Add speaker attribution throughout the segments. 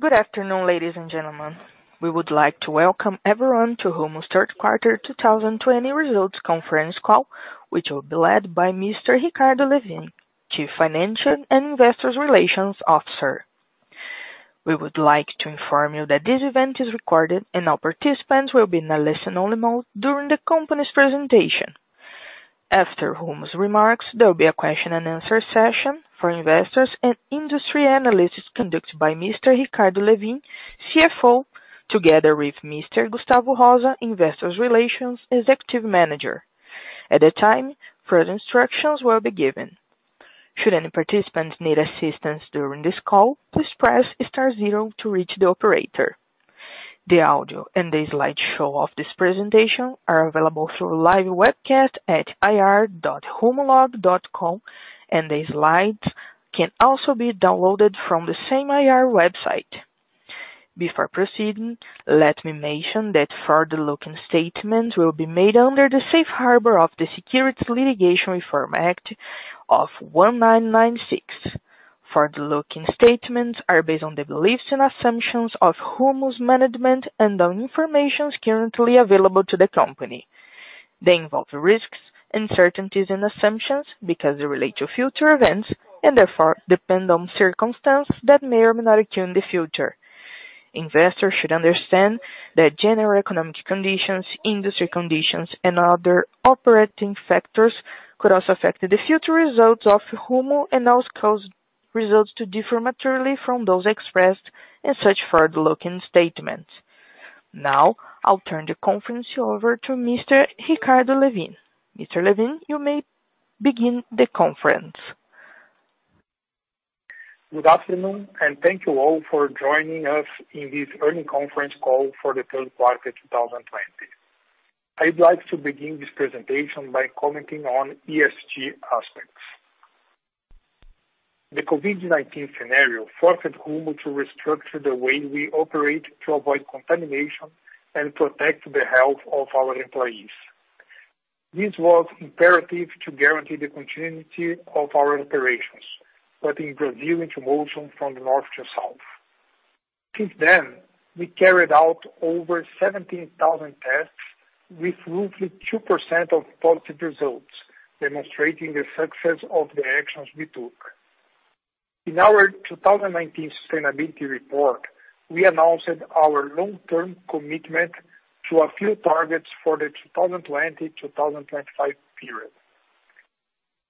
Speaker 1: Good afternoon, ladies and gentlemen. We would like to welcome everyone to Rumo's third quarter 2020 results conference call, which will be led by Mr. Ricardo Lewin, Chief Financial and Investor Relations Officer. We would like to inform you that this event is recorded, and all participants will be in a listen-only mode during the company's presentation. After Rumo's remarks, there will be a question-and-answer session for investors and industry analysts conducted by Mr. Ricardo Lewin, CFO, together with Mr. Gustavo da Rosa, Executive IR Manager. At the time, further instructions will be given. Should any participants need assistance during this call, please press star zero to reach the operator. The audio and the slideshow of this presentation are available through live webcast at ir.rumo.com., and the slides can also be downloaded from the same IR website. Before proceeding, let me mention that forward-looking statements will be made under the safe harbor of the Securities Litigation Reform Act of 1996. Forward-looking statements are based on the beliefs and assumptions of Rumo's management and on information currently available to the company. They involve risks, uncertainties, and assumptions because they relate to future events and therefore depend on circumstances that may or may not occur in the future. Investors should understand that general economic conditions, industry conditions, and other operating factors could also affect the future results of Rumo and also cause results to differ materially from those expressed in such forward-looking statements. Now, I'll turn the conference over to Mr. Ricardo Lewin. Mr. Lewin, you may begin the conference.
Speaker 2: Good afternoon, and thank you all for joining us in this earnings conference call for the third quarter 2020. I'd like to begin this presentation by commenting on ESG aspects. The COVID-19 scenario forced Rumo to restructure the way we operate to avoid contamination and protect the health of our employees. This was imperative to guarantee the continuity of our operations, putting Brazil into motion from the North to South. Since then, we carried out over 17,000 tests with roughly 2% of positive results, demonstrating the success of the actions we took. In our 2019 sustainability report, we announced our long-term commitment to a few targets for the 2020-2025 period.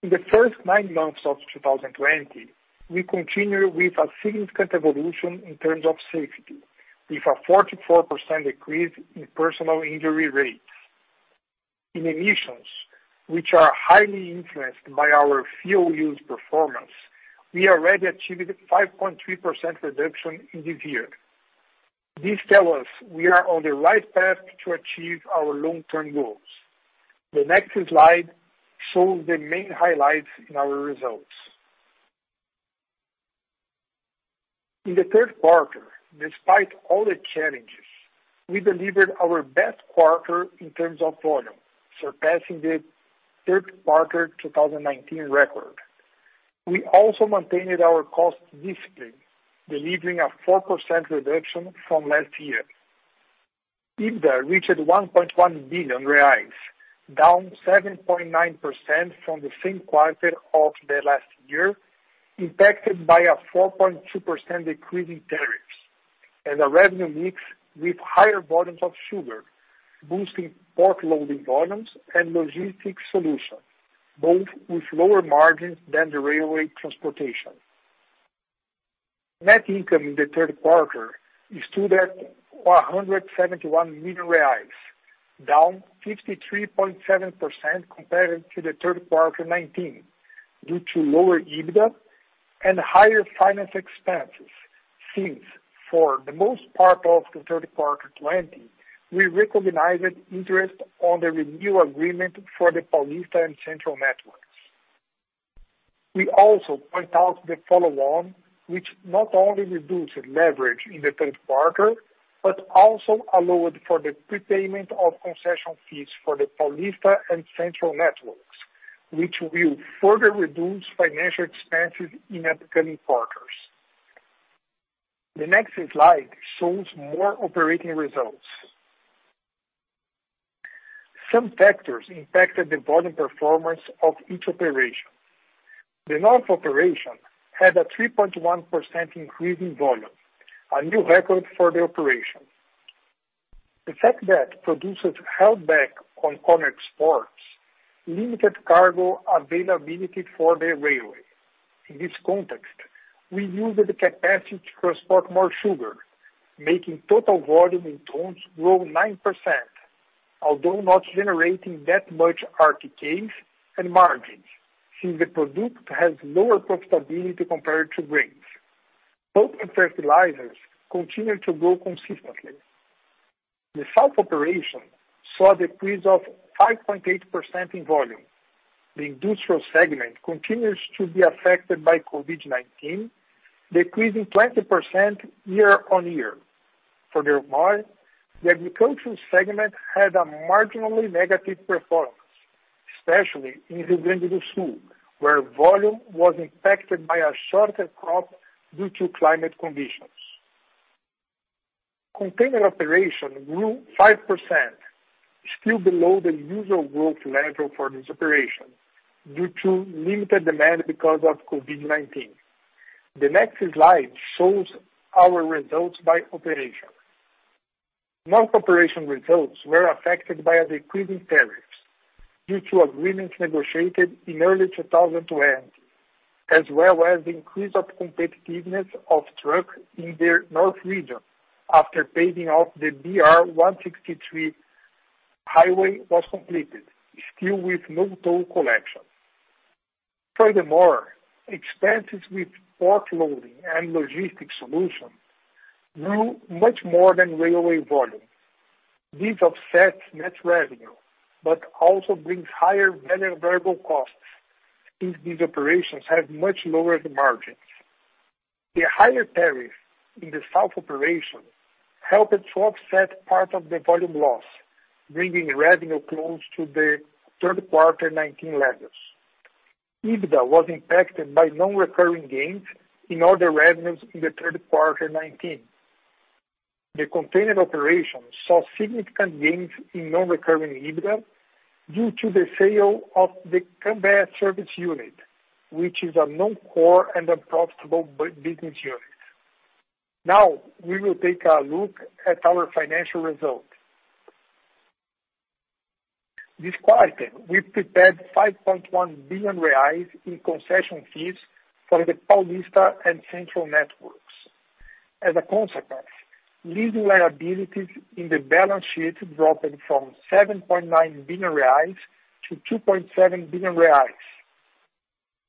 Speaker 2: In the first nine months of 2020, we continue with a significant evolution in terms of safety, with a 44% decrease in personal injury rates. In emissions, which are highly influenced by our FIOL use performance, we already achieved a 5.3% reduction in this year. This tells us we are on the right path to achieve our long-term goals. The next slide shows the main highlights in our results. In the third quarter, despite all the challenges, we delivered our best quarter in terms of volume, surpassing the third quarter 2019 record. We also maintained our cost discipline, delivering a 4% reduction from last year. EBITDA reached 1.1 billion reais, down 7.9% from the same quarter of the last year, impacted by a 4.2% decrease in tariffs and a revenue mix with higher volumes of sugar, boosting port loading volumes and logistics solutions, both with lower margins than the railway transportation. Net income in the third quarter stood at 171 million reais, down 53.7% compared to the third quarter 2019, due to lower EBITDA and higher finance expenses, since for the most part of the third quarter 2020, we recognized interest on the renewal agreement for the Paulista and Central networks. We also point out the follow-on, which not only reduced leverage in the third quarter, but also allowed for the prepayment of concession fees for the Paulista and Central networks, which will further reduce financial expenses in upcoming quarters. The next slide shows more operating results. Some factors impacted the volume performance of each operation. The North operation had a 3.1% increase in volume, a new record for the operation. The fact that producers held back on corn exports limited cargo availability for the railway. In this context, we used the capacity to transport more sugar, making total volume in tons grow 9%, although not generating that much RTKs and margins, since the product has lower profitability compared to grains. Coke and fertilizers continued to grow consistently. The south operation saw a decrease of 5.8% in volume. The industrial segment continues to be affected by COVID-19, decreasing 20% year-over-year. The agricultural segment had a marginally negative performance. Especially in Rio Grande do Sul, where volume was impacted by a shorter crop due to climate conditions. Container operation grew 5%, still below the usual growth level for this operation due to limited demand because of COVID-19. The next slide shows our results by operation. North operation results were affected by a decrease in tariffs due to agreements negotiated in early 2020, as well as increase of competitiveness of truck in the north region after paving of the BR-163 highway was completed, still with no toll collection. Expenses with port loading and logistic solution grew much more than railway volume. This offsets net revenue, but also brings higher variable costs since these operations have much lower margins. The higher tariff in the South operation helped to offset part of the volume loss, bringing revenue close to the third quarter 2019 levels. EBITDA was impacted by non-recurring gains in all the revenues in the third quarter 2019. The container operation saw significant gains in non-recurring EBITDA due to the sale of the Cambé service unit, which is a non-core and unprofitable business unit. We will take a look at our financial results. This quarter, we prepared 5.1 billion reais in concession fees for the Paulista and Central networks. As a consequence, lease liabilities in the balance sheet dropped from 7.9 billion reais to 2.7 billion reais.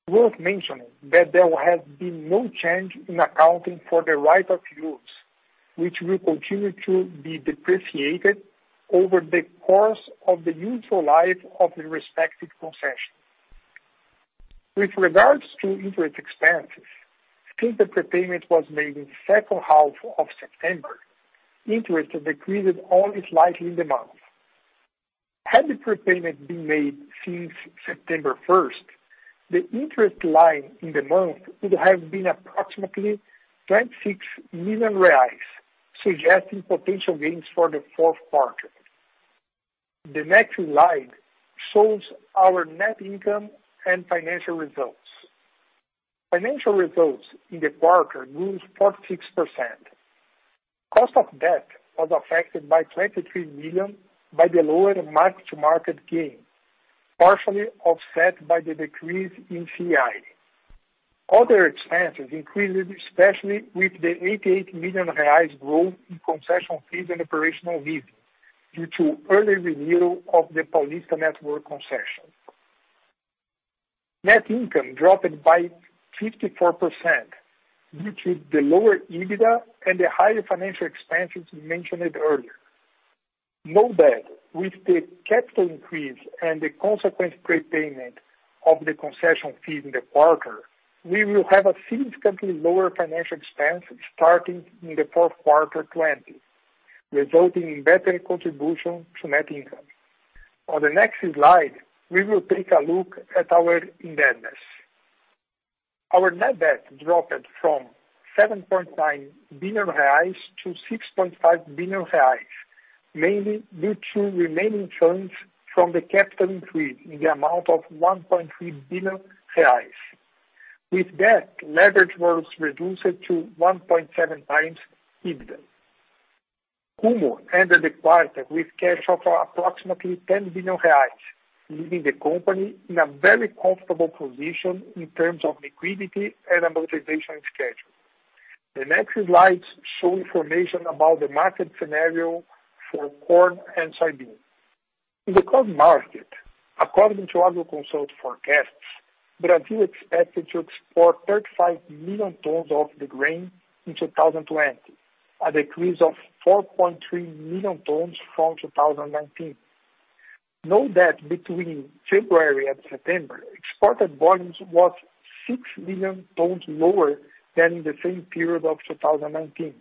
Speaker 2: Worth mentioning that there has been no change in accounting for the right-of-use, which will continue to be depreciated over the course of the useful life of the respective concession. With regards to interest expenses, since the prepayment was made in the second half of September, interest decreased only slightly in the month. Had the prepayment been made since September 1st, the interest line in the month would have been approximately 26 million reais, suggesting potential gains for the fourth quarter. The next slide shows our net income and financial results. Financial results in the quarter grew 46%. Cost of debt was affected by 23 million by the lower mark-to-market gain, partially offset by the decrease in CDI. Other expenses increased, especially with the 88 million reais growth in concession fees and operational leases due to early renewal of the Malha Paulista concession. Net income dropped by 54% due to the lower EBITDA and the higher financial expenses mentioned earlier. Note that with the capital increase and the consequent prepayment of the concession fee in the quarter, we will have a significantly lower financial expense starting in the fourth quarter 2020, resulting in better contribution to net income. On the next slide, we will take a look at our indebtedness. Our net debt dropped from 7.9 billion reais to 6.5 billion reais, mainly due to remaining funds from the capital increase in the amount of 1.3 billion reais. Leverage was reduced to 1.7x EBITDA. Rumo ended the quarter with cash flow approximately 10 billion reais, leaving the company in a very comfortable position in terms of liquidity and amortization schedule. The next slides show information about the market scenario for corn and soybean. In the corn market, according to Agroconsult forecasts, Brazil is expected to export 35 million tons of the grain in 2020, a decrease of 4.3 million tons from 2019. Note that between February and September, exported volumes was six million tons lower than the same period of 2019,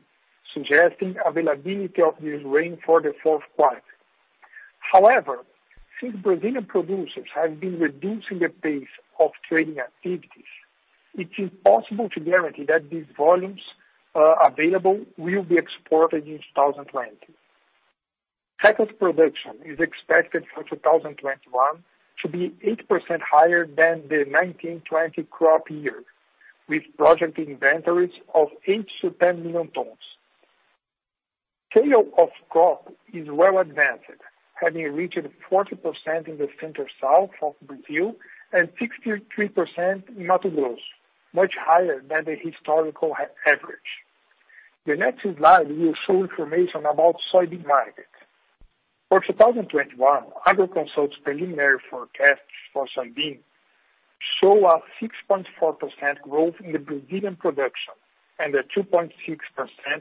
Speaker 2: suggesting availability of this grain for the fourth quarter. Since Brazilian producers have been reducing the pace of trading activities, it is possible to guarantee that these volumes available will be exported in 2020. Second production is expected for 2021 to be 8% higher than the 2019, 2020 crop year, with projected inventories of eight to 10 million tons. Sale of crop is well advanced, having reached 40% in the center south of Brazil and 63% in Mato Grosso, much higher than the historical average. The next slide will show information about soybean market. For 2021, Agroconsult's preliminary forecasts for soybean show a 6.4% growth in the Brazilian production and a 2.6%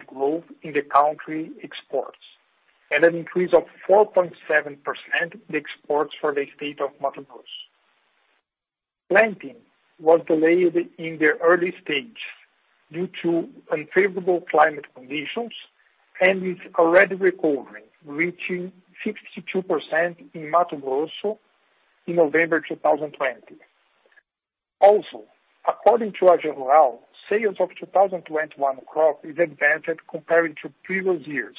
Speaker 2: growth in the country exports, and an increase of 4.7% in exports for the state of Mato Grosso. Planting was delayed in the early stages due to unfavorable climate conditions, and is already recovering, reaching 62% in Mato Grosso in November 2020. Also, according to AgRural, sales of 2021 crop is advanced comparing to previous years,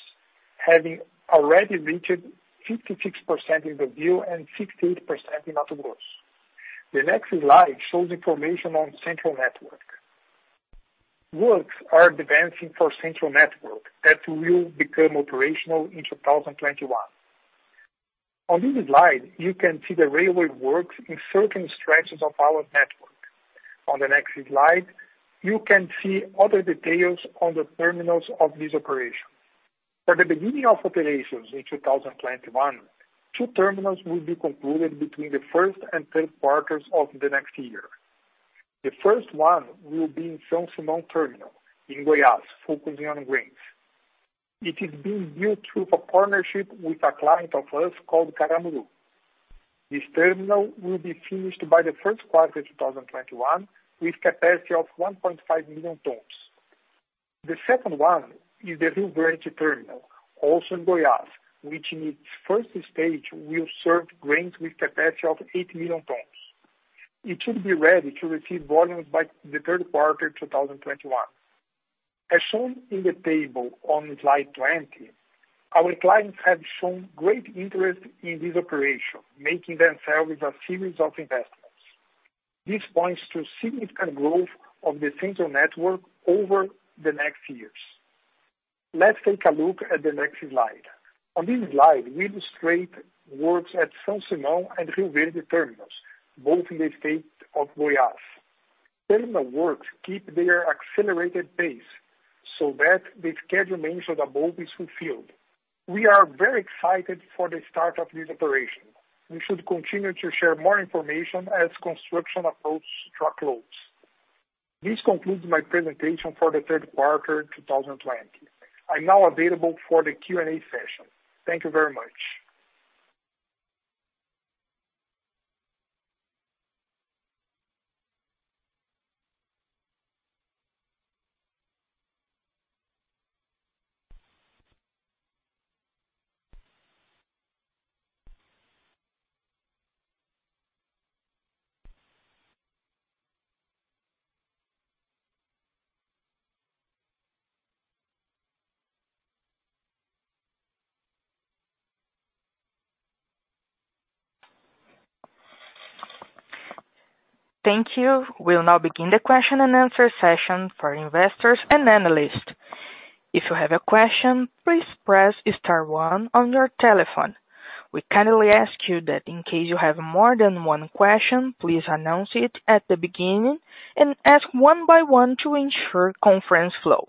Speaker 2: having already reached 56% in Brazil and 68% in Mato Grosso. The next slide shows information on Central network. Works are advancing for Central network that will become operational in 2021. On this slide, you can see the railway works in certain stretches of our network. On the next slide, you can see other details on the terminals of this operation. For the beginning of operations in 2021, two terminals will be concluded between the first and third quarters of the next year. The first one will be in São Simão Terminal in Goiás, focusing on grains. It is being built through a partnership with a client of ours called Caramuru. This terminal will be finished by the first quarter of 2021 with capacity of 1.5 million tons. The second one is the Rio Verde Terminal, also in Goiás, which in its first stage will serve grains with capacity of 8 million tons. It should be ready to receive volumes by the third quarter 2021. As shown in the table on slide 20, our clients have shown great interest in this operation, making themselves a series of investments. This points to significant growth of the Central network over the next years. Let's take a look at the next slide. On this slide, we illustrate works at São Simão and Rio Verde terminals, both in the state of Goiás. Terminal works keep their accelerated pace so that the schedule mentioned above is fulfilled. We are very excited for the start of this operation. We should continue to share more information as construction approaches workloads. This concludes my presentation for the third quarter 2020. I'm now available for the Q&A session. Thank you very much.
Speaker 1: Thank you. We'll now begin the question-and-answer session for investors and analysts. If you have a question, please press star one on your telephone. We kindly ask you that in case you have more than one question, please announce it at the beginning and ask one by one to ensure conference flow.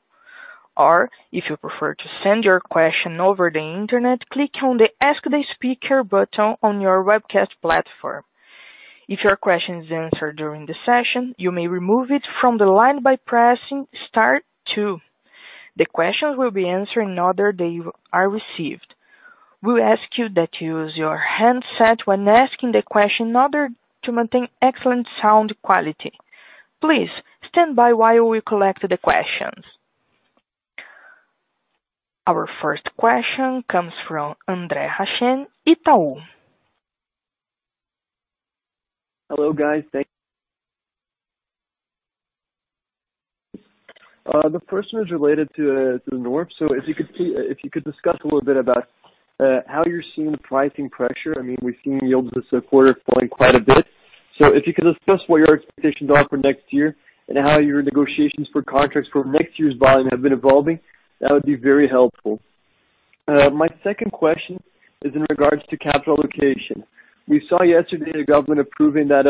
Speaker 1: If you prefer to send your question over the internet, click on the Ask the Speaker button on your webcast platform. If your question is answered during the session, you may remove it from the line by pressing star two. The questions will be answered in order they are received. We ask you that you use your handset when asking the question in order to maintain excellent sound quality. Please stand by while we collect the questions. Our first question comes from Andre Hachem, Itaú.
Speaker 3: Hello, guys. The first one is related to the North. If you could discuss a little bit about how you're seeing pricing pressure. We've seen yields this quarter falling quite a bit. If you could discuss what your expectations are for next year and how your negotiations for contracts for next year's volume have been evolving? that would be very helpful. My second question is in regards to capital allocation. We saw yesterday the government approving that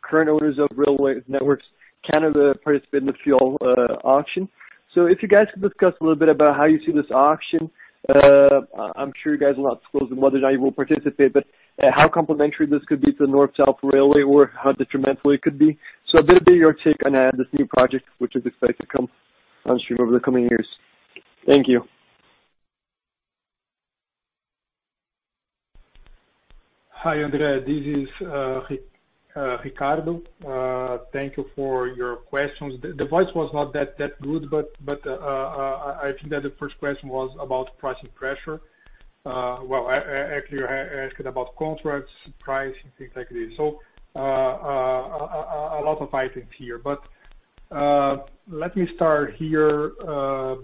Speaker 3: current owners of railway networks cannot participate in the FIOL auction. If you guys could discuss a little bit about how you see this auction. I'm sure you guys will not disclose whether or not you will participate, but how complementary this could be to the North-South Railway or how detrimental it could be. A bit of your take on this new project, which is expected to come downstream over the coming years. Thank you.
Speaker 2: Hi, Andre. This is Ricardo. Thank you for your questions. The voice was not that good. I think that the first question was about pricing pressure. Well, actually, you asked about contracts, price, and things like this. A lot of items here. Let me start here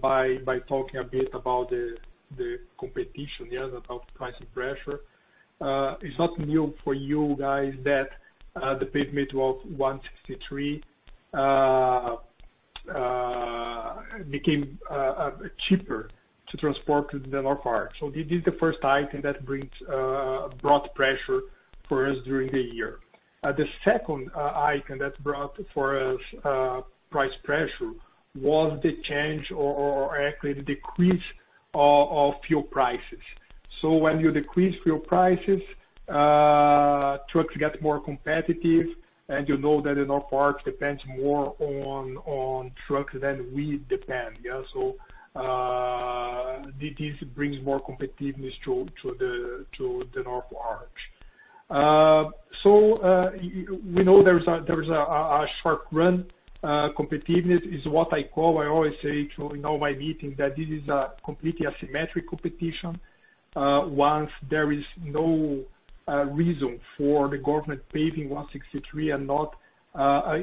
Speaker 2: by talking a bit about the competition. Yeah, about pricing pressure. It's not new for you guys that the pavement of 163 became cheaper to transport to the North part. This is the first item that brought pressure for us during the year. The second item that brought for us price pressure was the change or actually the decrease of fuel prices. When you decrease fuel prices, trucks get more competitive, and you know that in our part depends more on trucks than we depend. Yeah. This brings more competitiveness to the North Arc. We know there's a short-run competitiveness is what I call, I always say in all my meetings, that this is completely asymmetric competition. There is no reason for the government paving 163 and not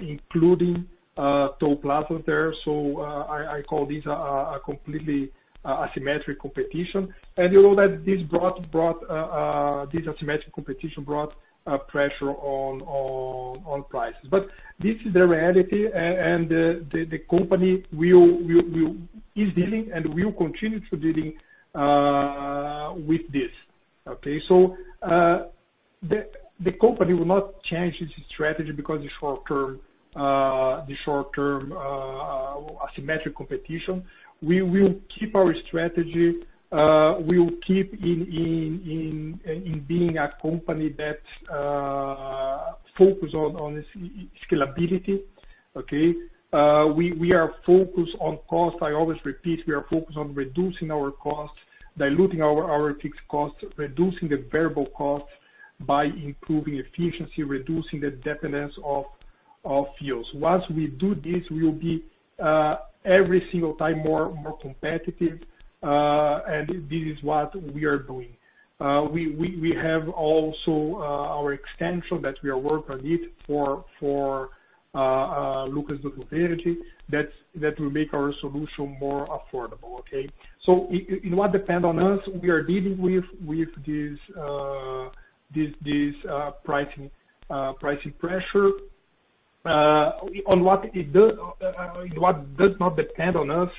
Speaker 2: including toll plaza there. I call this a completely asymmetric competition, and you know that this asymmetric competition brought pressure on prices. This is the reality, and the company is dealing, and will continue to dealing with this. Okay, the company will not change its strategy because the short-term asymmetric competition. We will keep our strategy. We will keep in being a company that focus on scalability. Okay? We are focused on cost. I always repeat, we are focused on reducing our costs, diluting our fixed costs, reducing the variable costs by improving efficiency, reducing the dependence of fuels. Once we do this, we will be every single time more competitive, and this is what we are doing. We have also our extension that we are working on it for Lucas do Rio Verde, that will make our solution more affordable. Okay? In what depend on us, we are dealing with this pricing pressure. On what does not depend on us,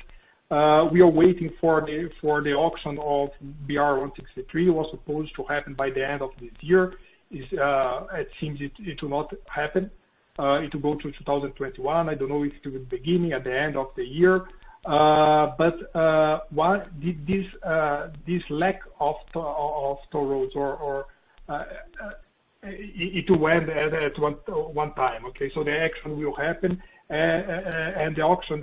Speaker 2: we are waiting for the auction of BR-163, was supposed to happen by the end of this year, it seems it will not happen. It will go to 2021. I don't know if it will beginning, at the end of the year. This lack of toll roads or it will end at one time, okay? The auction will happen, and the auction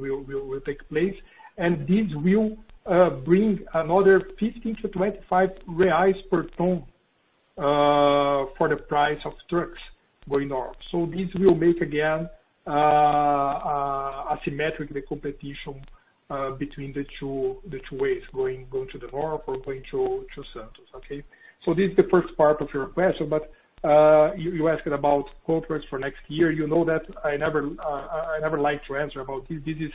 Speaker 2: will take place, and this will bring another 15-25 reais per ton, for the price of trucks going north. This will make, again, asymmetric the competition between the two ways, going to the north or going to centers. Okay? This is the first part of your question, you asking about contracts for next year. You know that I never like to answer about this. This is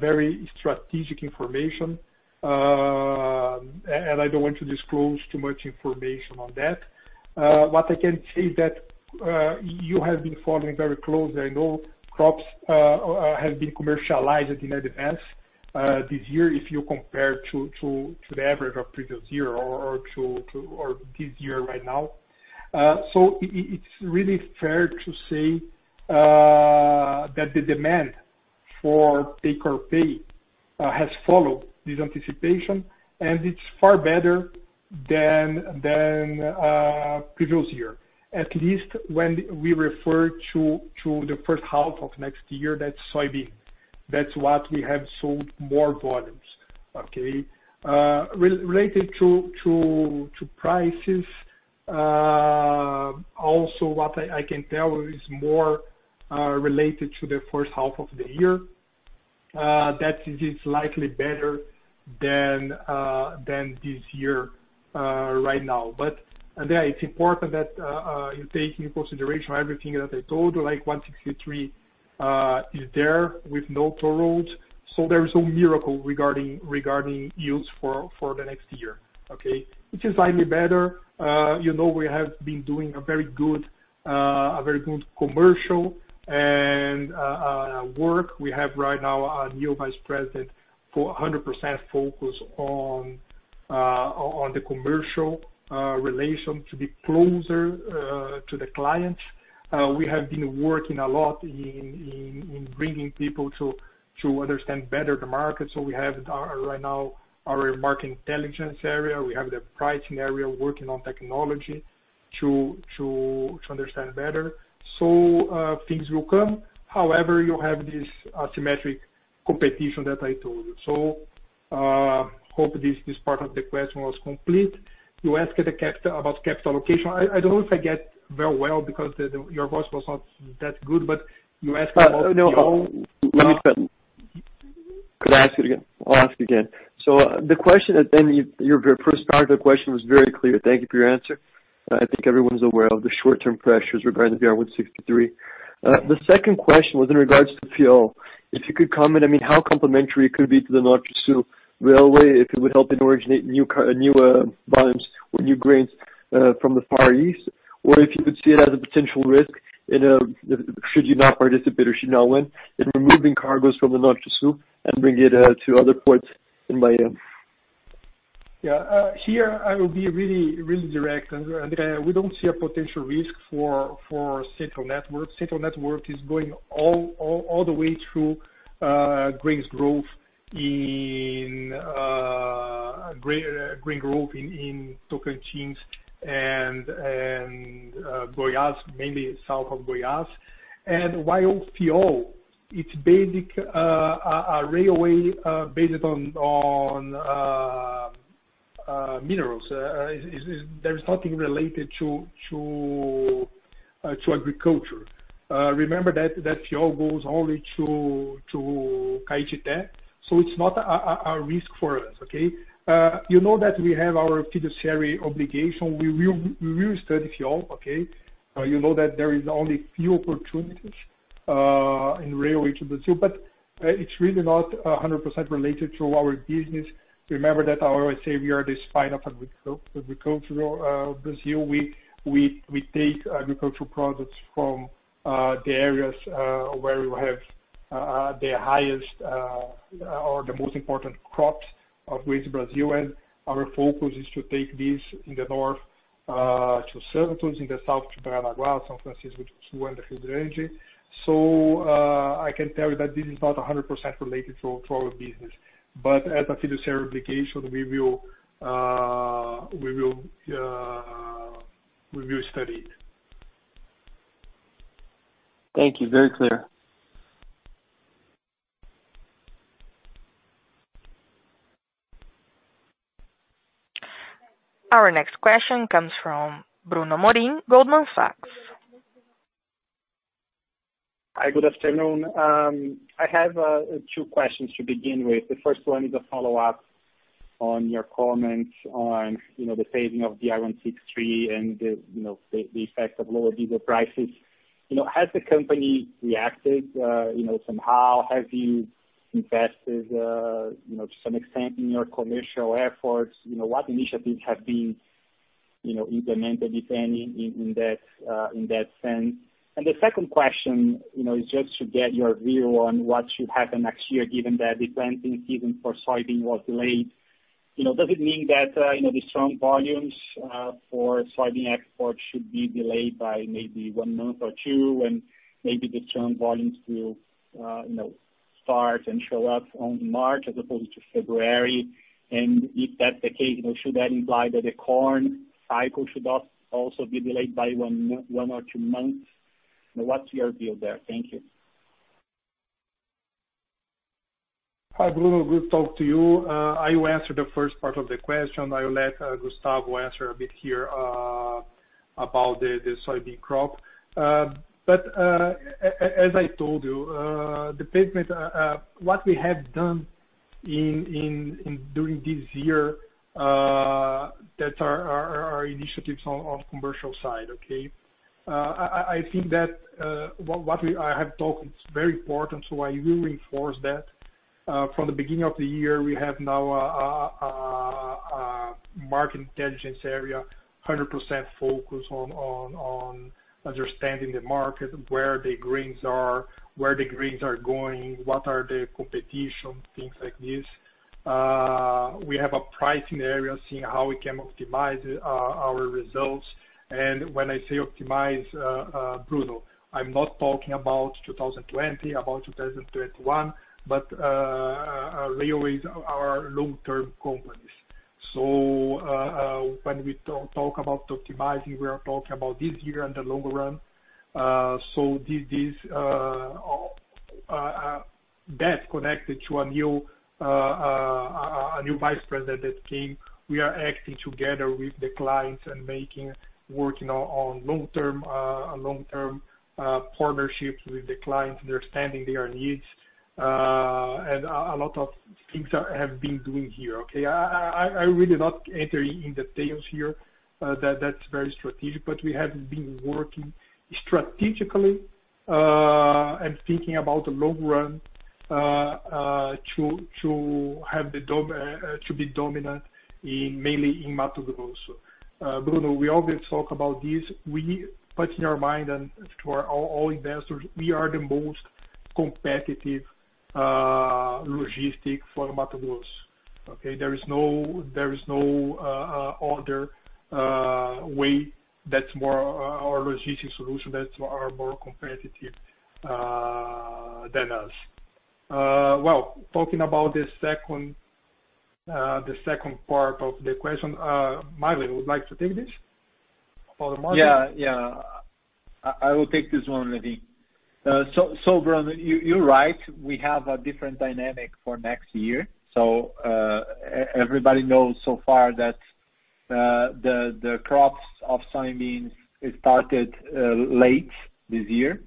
Speaker 2: very strategic information, I don't want to disclose too much information on that. What I can say is that, you have been following very closely, I know crops have been commercialized in advance this year, if you compare to the average of previous year or this year right now. It's really fair to say that the demand for take-or-pay has followed this anticipation, it's far better than previous year, at least when we refer to the first half of next year, that's soybean. That's what we have sold more volumes. Okay? Related to prices, also what I can tell you is more related to the first half of the year. That is, it's likely better than this year right now. There, it's important that you take into consideration everything that I told you, like 163 is there with no toll roads. There is no miracle regarding yields for the next year. Okay. Which is slightly better. We have been doing a very good commercial and work. We have right now a new vice president, 100% focused on the commercial relation to be closer to the clients. We have been working a lot in bringing people to understand better the market. We have, right now, our market intelligence area, we have the pricing area working on technology to understand better. Things will come. However, you have this asymmetric competition that I told you. Hope this part of the question was complete. You asked about capital allocation. I don't know if I get very well because your voice was not that good.
Speaker 3: No. Could I ask it again? I'll ask again. The first part of the question was very clear. Thank you for your answer. I think everyone's aware of the short-term pressures regarding the BR-163. The second question was in regards to fuel. If you could comment, how complementary it could be to the North-South Railway, if it would help in originate new volumes or new grains from the Far East, or if you could see it as a potential risk should you not participate or should you not win, in removing cargoes from the North-South and bring it to other ports in Paranaguá.
Speaker 2: Yeah. Here I will be really direct. We don't see a potential risk for Central network. Central network is going all the way through grains growth Great growth in Tocantins and Goiás, mainly south of Goiás. While Fiol, it's a railway based on minerals. There is nothing related to agriculture. Remember that FIOL goes only to Caetité, so it's not a risk for us, okay? You know that we have our fiduciary obligation. We will study FIOL, okay? You know that there is only few opportunities in railway to Brazil, it's really not 100% related to our business. Remember that I always say we are the spine of agricultural Brazil. We take agricultural products from the areas where we have the highest or the most important crops of Brazil. Our focus is to take this in the north to Santos, in the south to Paranaguá, São Francisco do Sul, and Rio Grande. I can tell you that this is not 100% related to our business. As a fiduciary obligation, we will study it.
Speaker 3: Thank you. Very clear.
Speaker 1: Our next question comes from Bruno Amorim, Goldman Sachs.
Speaker 4: Hi, good afternoon. I have two questions to begin with. The first one is a follow-up on your comments on the paving of the BR 163 and the effect of lower diesel prices. Has the company reacted somehow? Have you invested to some extent in your commercial efforts? What initiatives have been implemented, if any, in that sense? The second question is just to get your view on what should happen next year, given that the planting season for soybean was delayed. Does it mean that the strong volumes for soybean export should be delayed by maybe one month or two, and maybe the strong volumes will start and show up on March as opposed to February? If that's the case, should that imply that the corn cycle should also be delayed by one or two months? What's your view there? Thank you.
Speaker 2: Hi, Bruno. Good to talk to you. I will answer the first part of the question. I will let Gustavo answer a bit here about the soybean crop. As I told you, what we have done during this year, that our initiatives on commercial side, okay? I think that what I have talked, it's very important, so I will reinforce that. From the beginning of the year, we have now a market intelligence area, 100% focused on understanding the market, where the grains are, where the grains are going, what are the competition, things like this. We have a pricing area, seeing how we can optimize our results. When I say optimize, Bruno, I'm not talking about 2020, about 2021, but always our long-term companies. When we talk about optimizing, we are talking about this year and the longer run. That's connected to a new vice president that came. We are acting together with the clients and working on long-term partnerships with the clients, understanding their needs. A lot of things I have been doing here, okay? I really not enter in the details here. That's very strategic, but we have been working strategically, and thinking about the long run, to be dominant, mainly in Mato Grosso. Bruno, we always talk about this. We put in your mind and to our all investors, we are the most competitive logistic for Mato Grosso, okay? There is no other way that's more our logistic solution that are more competitive than us. Well, talking about the second part of the question, [Mario], would like to take this? For the market.
Speaker 5: Yeah. I will take this one, Lewin. Bruno, you're right. We have a different dynamic for next year. Everybody knows so far that the crops of soybeans started late this year.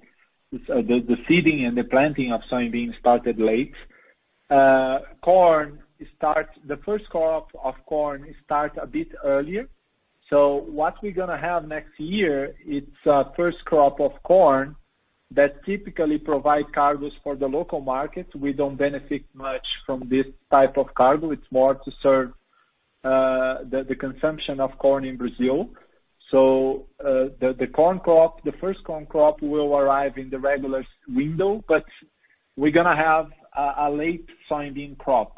Speaker 5: The seeding and the planting of soybeans started late. The first crop of corn start a bit earlier. What we're going to have next year, it's a first crop of corn that typically provide cargos for the local market. We don't benefit much from this type of cargo. It's more to serve the consumption of corn in Brazil. The first corn crop will arrive in the regular window. We're going to have a late soybean crop.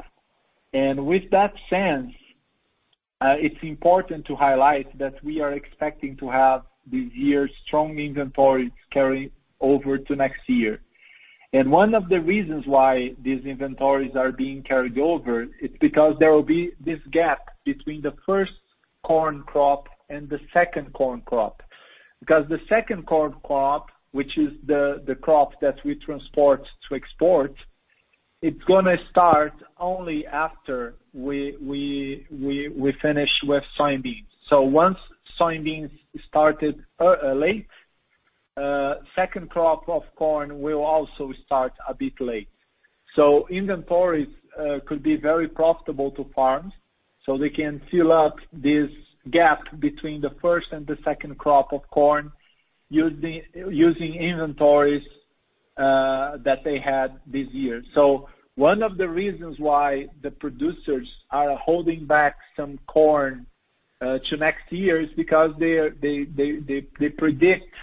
Speaker 5: It's important to highlight that we are expecting to have this year's strong inventories carry over to next year. One of the reasons why these inventories are being carried over is because there will be this gap between the first corn crop and the second corn crop. The second corn crop, which is the crop that we transport to export, it's going to start only after we finish with soybeans. Once soybeans started late, second crop of corn will also start a bit late. Inventories could be very profitable to farms, so they can fill up this gap between the first and the second crop of corn using inventories that they had this year. One of the reasons why the producers are holding back some corn to next year is because they predict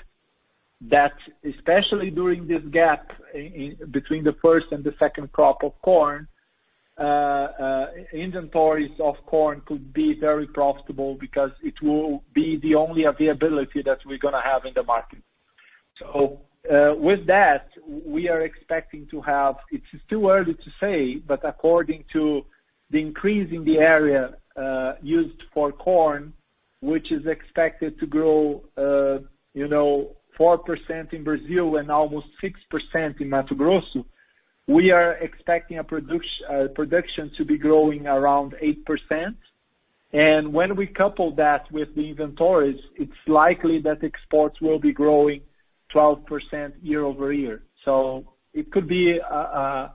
Speaker 5: that, especially during this gap between the first and the second crop of corn, inventories of corn could be very profitable because it will be the only availability that we're going to have in the market. With that, it's too early to say, but according to the increase in the area used for corn, which is expected to grow 4% in Brazil and almost 6% in Mato Grosso, we are expecting our production to be growing around 8%. When we couple that with the inventories, it's likely that exports will be growing 12% year-over-year. It could be a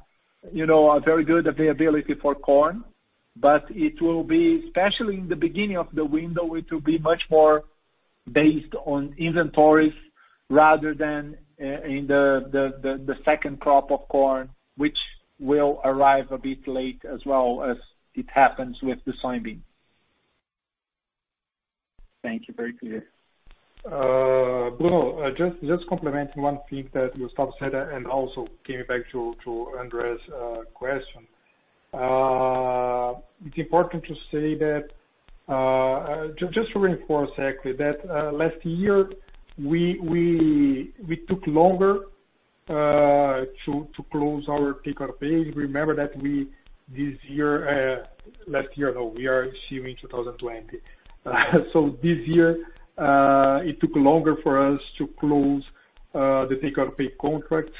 Speaker 5: very good availability for corn, but it will be, especially in the beginning of the window, it will be much more based on inventories rather than in the second crop of corn, which will arrive a bit late as well as it happens with the soybean.
Speaker 4: Thank you. Very clear.
Speaker 2: Bruno, just complimenting one thing that Gustavo said and also getting back to [Andre's] question. It's important to say that, just to reinforce actually, that last year, we took longer to close our take-or-pay. Remember that this year, last year, no, we are assuming 2020. This year, it took longer for us to close the take-or-pay contracts.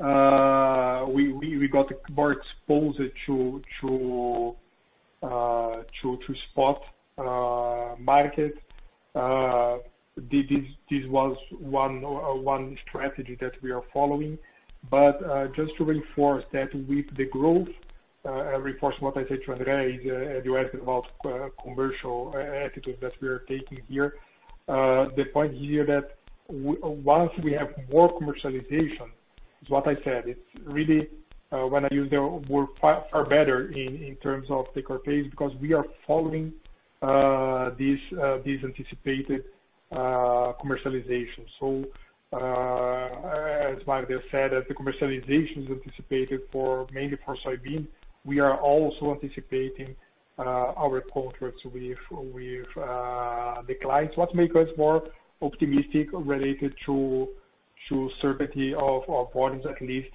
Speaker 2: We got more exposed to spot markets. This was one strategy that we are following. Just to reinforce that with the growth, reinforce what I said to Andre is, you asked about commercial attitudes that we are taking here. The point here that once we have more commercialization, is what I said, it's really when I use the word far better in terms of take-or-pay, it's because we are following this anticipated commercialization. As Mario said, the commercialization is anticipated mainly for soybean. We are also anticipating our contracts with the clients, what make us more optimistic related to certainty of volumes, at least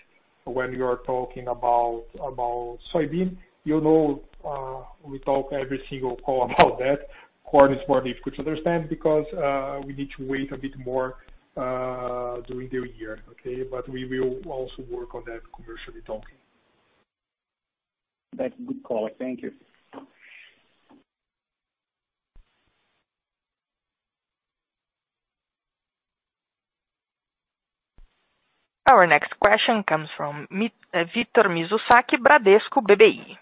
Speaker 2: when we are talking about soybean. You know we talk every single call about that. Corn is more difficult to understand because we need to wait a bit more during the year, okay? We will also work on that commercially talking.
Speaker 4: That's a good call. Thank you.
Speaker 1: Our next question comes from Victor Mizusaki, Bradesco BBI.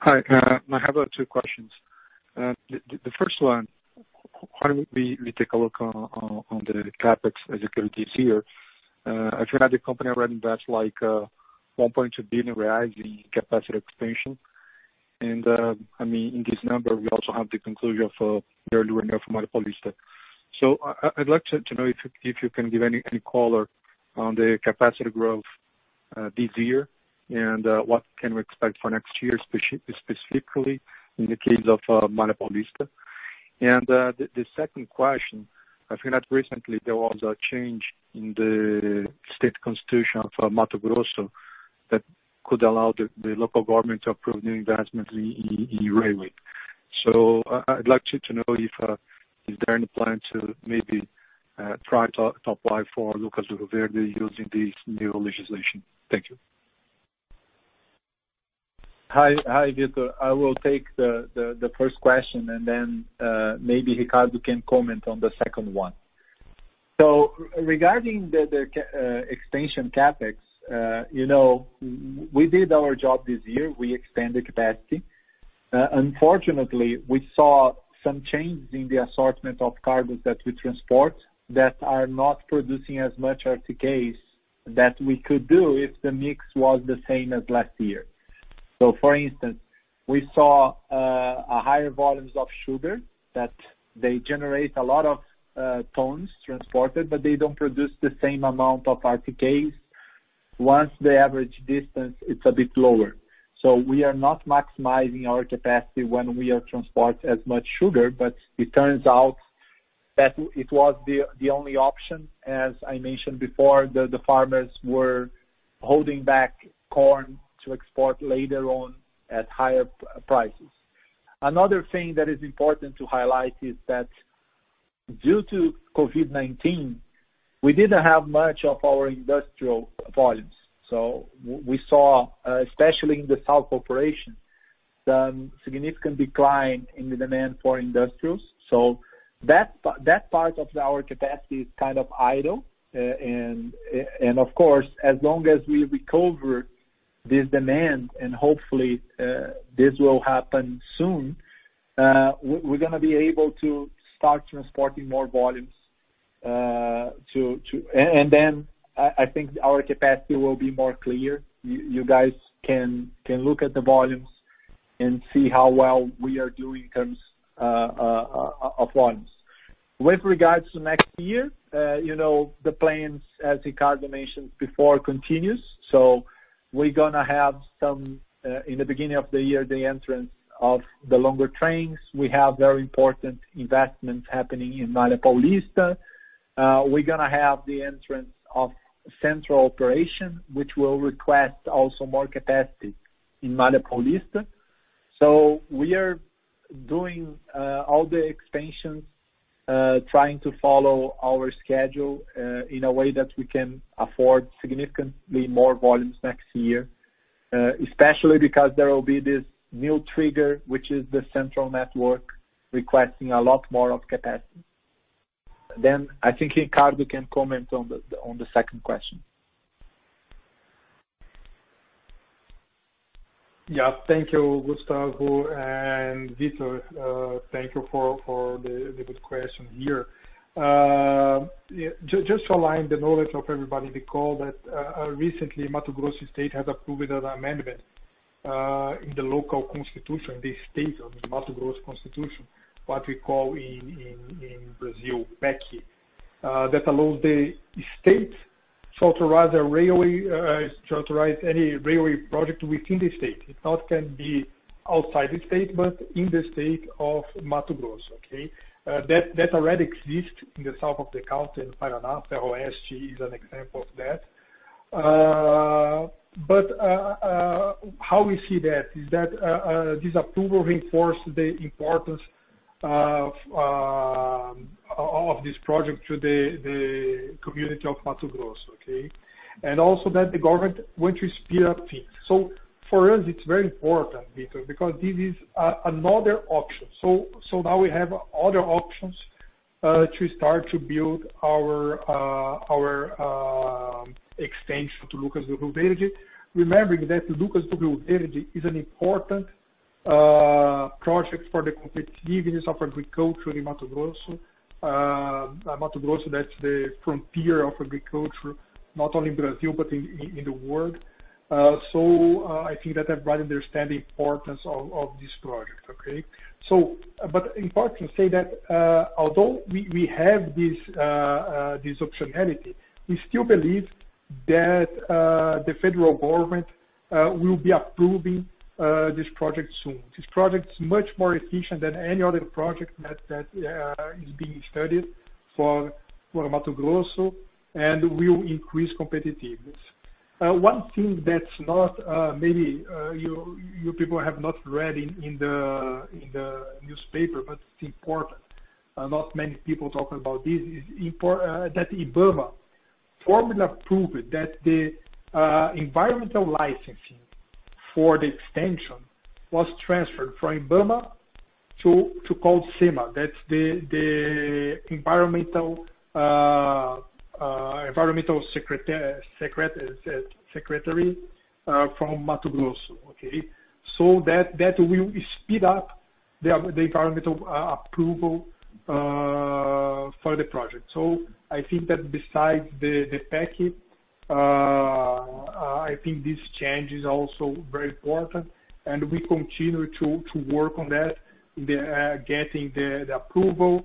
Speaker 6: Hi. I have two questions. The first one, why don't we take a look on the CapEx execution this year. If you had the company already invest like 1.2 billion reais in capacity expansion. In this number, we also have the conclusion of early renewal from Malha Paulista. I'd like to know if you can give any color on the capacity growth this year, and what can we expect for next year, specifically in the case of Malha Paulista. The second question, I think that recently there was a change in the state constitution for Mato Grosso that could allow the local government to approve new investments in railway. I'd like to know if there any plan to maybe try to apply for Lucas do Rio Verde using this new legislation. Thank you.
Speaker 5: Hi, Victor. I will take the first question, maybe Ricardo can comment on the second one. Regarding the extension CapEx, we did our job this year. We expanded capacity. Unfortunately, we saw some changes in the assortment of cargos that we transport that are not producing as much RTKs that we could do if the mix was the same as last year. For instance, we saw higher volumes of sugar, that they generate a lot of tons transported, they don't produce the same amount of RTKs. Once the average distance, it's a bit lower. We are not maximizing our capacity when we transport as much sugar, it turns out that it was the only option. As I mentioned before, the farmers were holding back corn to export later on at higher prices. Another thing that is important to highlight is that due to COVID-19, we didn't have much of our industrial volumes. We saw, especially in the south operation, the significant decline in the demand for industrials. That part of our capacity is kind of idle. Of course, as long as we recover this demand and hopefully, this will happen soon, we're going to be able to start transporting more volumes. I think our capacity will be more clear. You guys can look at the volumes and see how well we are doing in terms of volumes. With regards to next year, the plans, as Ricardo mentioned before, continues. We're going to have some, in the beginning of the year, the entrance of the longer trains. We have very important investments happening in Malha Paulista. We're going to have the entrance of Central operation, which will request also more capacity in Malha Paulista. We are doing all the expansions, trying to follow our schedule, in a way that we can afford significantly more volumes next year. Especially because there will be this new trigger, which is the Central network requesting a lot more of capacity. I think, Ricardo can comment on the second question.
Speaker 2: Yeah. Thank you, Gustavo and Victor. Thank you for the good question here. Just to align the knowledge of everybody, we call that, recently, Mato Grosso State has approved an amendment, in the local constitution, the state of Mato Grosso Constitution, what we call in Brazil, PEC. That allows the state to authorize any railway project within the state. It not can be outside the state, but in the state of Mato Grosso, okay? That already exists in the south of the country, in Paraná. Ferroeste is an example of that. How we see that is that this approval reinforced the importance of this project to the community of Mato Grosso, okay? Also that the government wants to speed up things. For us, it's very important because this is another option. Now we have other options to start to build our extension to Lucas do Rio Verde. Remembering that Lucas do Rio Verde is an important project for the competitiveness of agriculture in Mato Grosso. Mato Grosso, that's the frontier of agriculture, not only in Brazil, but in the world. I think that I brought understanding importance of this project. Important to say that, although we have this optionality, we still believe that the federal government will be approving this project soon. This project is much more efficient than any other project that is being studied for Mato Grosso and will increase competitiveness. One thing that's not, maybe you people have not read in the newspaper, but it's important. Not many people talk about this, is that IBAMA formally approved that the environmental licensing for the extension was transferred from IBAMA to CONSEMA. That's the environmental secretary from Mato Grosso, okay? That will speed up the environmental approval for the project. I think that besides the PEC, I think this change is also very important, and we continue to work on that, getting the approval,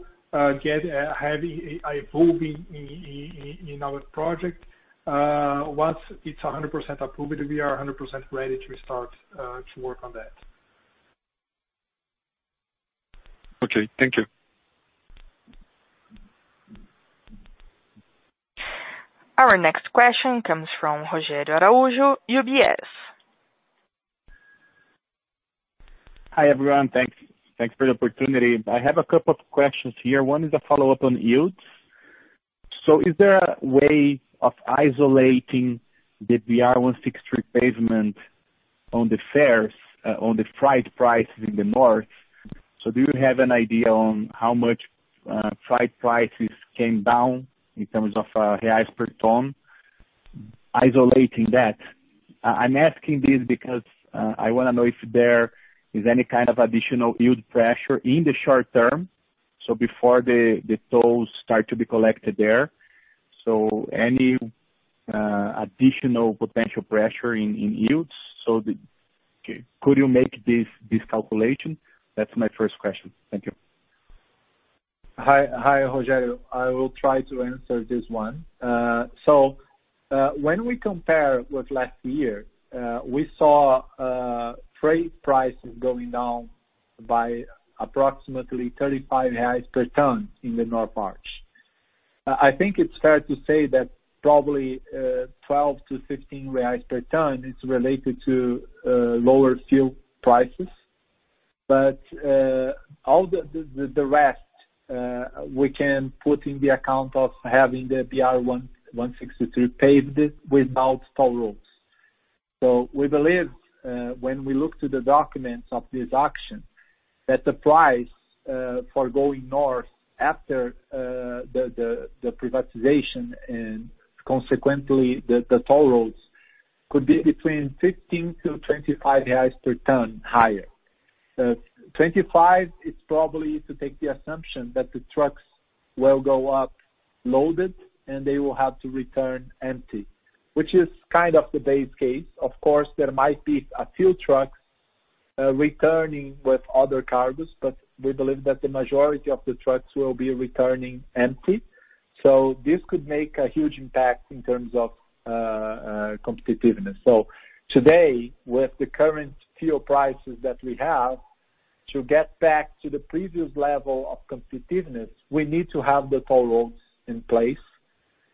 Speaker 2: get evolving in our project. Once it's 100% approved, we are 100% ready to start to work on that.
Speaker 6: Okay. Thank you.
Speaker 1: Our next question comes from Rogério Araújo, UBS.
Speaker 7: Hi, everyone. Thanks for the opportunity. I have a couple of questions here. One is a follow-up on yields. Is there a way of isolating the BR-163 pavement on the fares, on the freight prices in the north? Do you have an idea on how much freight prices came down in terms of reais per ton, isolating that? I'm asking this because I want to know if there is any kind of additional yield pressure in the short term, before the tolls start to be collected there. Any additional potential pressure in yields? Could you make this calculation? That's my first question. Thank you.
Speaker 5: Hi, Rogério. I will try to answer this one. When we compare with last year, we saw freight prices going down by approximately 35 reais per ton in the North Arc. I think it's fair to say that probably 12 to 15 reais per ton is related to lower fuel prices. All the rest, we can put in the account of having the BR-163 paved without toll roads. We believe, when we look to the documents of this auction, that the price for going north after the privatization and consequently, the toll roads, could be between 15 to 25 reais per ton higher. The 25 is probably to take the assumption that the trucks will go up loaded and they will have to return empty, which is kind of the base case. Of course, there might be a few trucks returning with other cargoes, but we believe that the majority of the trucks will be returning empty. This could make a huge impact in terms of competitiveness. Today, with the current fuel prices that we have, to get back to the previous level of competitiveness, we need to have the toll roads in place.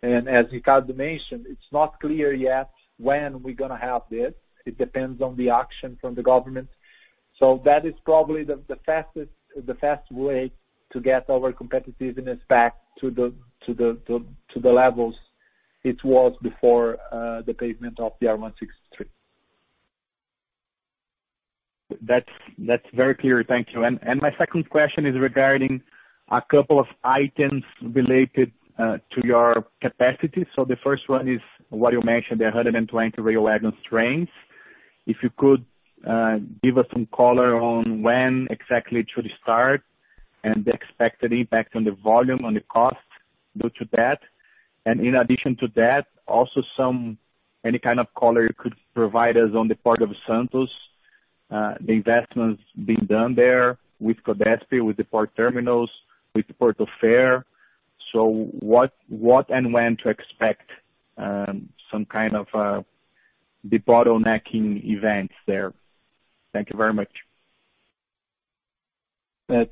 Speaker 5: As Ricardo mentioned, it's not clear yet when we're going to have this. It depends on the action from the government. That is probably the fast way to get our competitiveness back to the levels it was before the pavement of BR-163.
Speaker 7: That's very clear. Thank you. My second question is regarding a couple of items related to your capacity. The first one is what you mentioned, the 120 rail cars train. If you could give us some color on when exactly it should start and the expected impact on the volume, on the cost due to that. In addition to that, also any kind of color you could provide us on the Port of Santos, the investments being done there with CODESP, with the port terminals, with Portofer. What and when to expect some kind of debottlenecking events there. Thank you very much.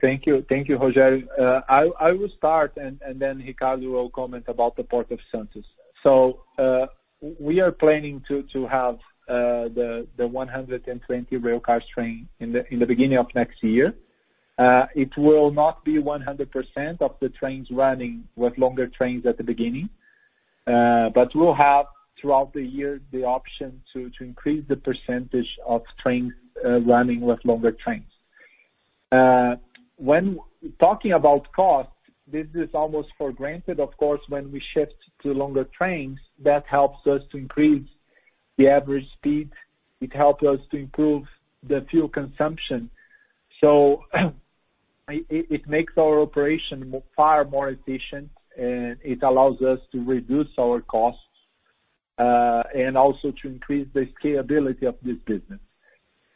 Speaker 5: Thank you. Thank you, Rogério. I will start and then Ricardo will comment about the Port of Santos. We are planning to have the 120 rail cars train in the beginning of next year. It will not be 100% of the trains running with longer trains at the beginning, but we'll have, throughout the year, the option to increase the percentage of trains running with longer trains. When talking about cost, this is almost for granted, of course, when we shift to longer trains, that helps us to increase the average speed. It helps us to improve the fuel consumption. It makes our operation far more efficient, and it allows us to reduce our costs, and also to increase the scalability of this business.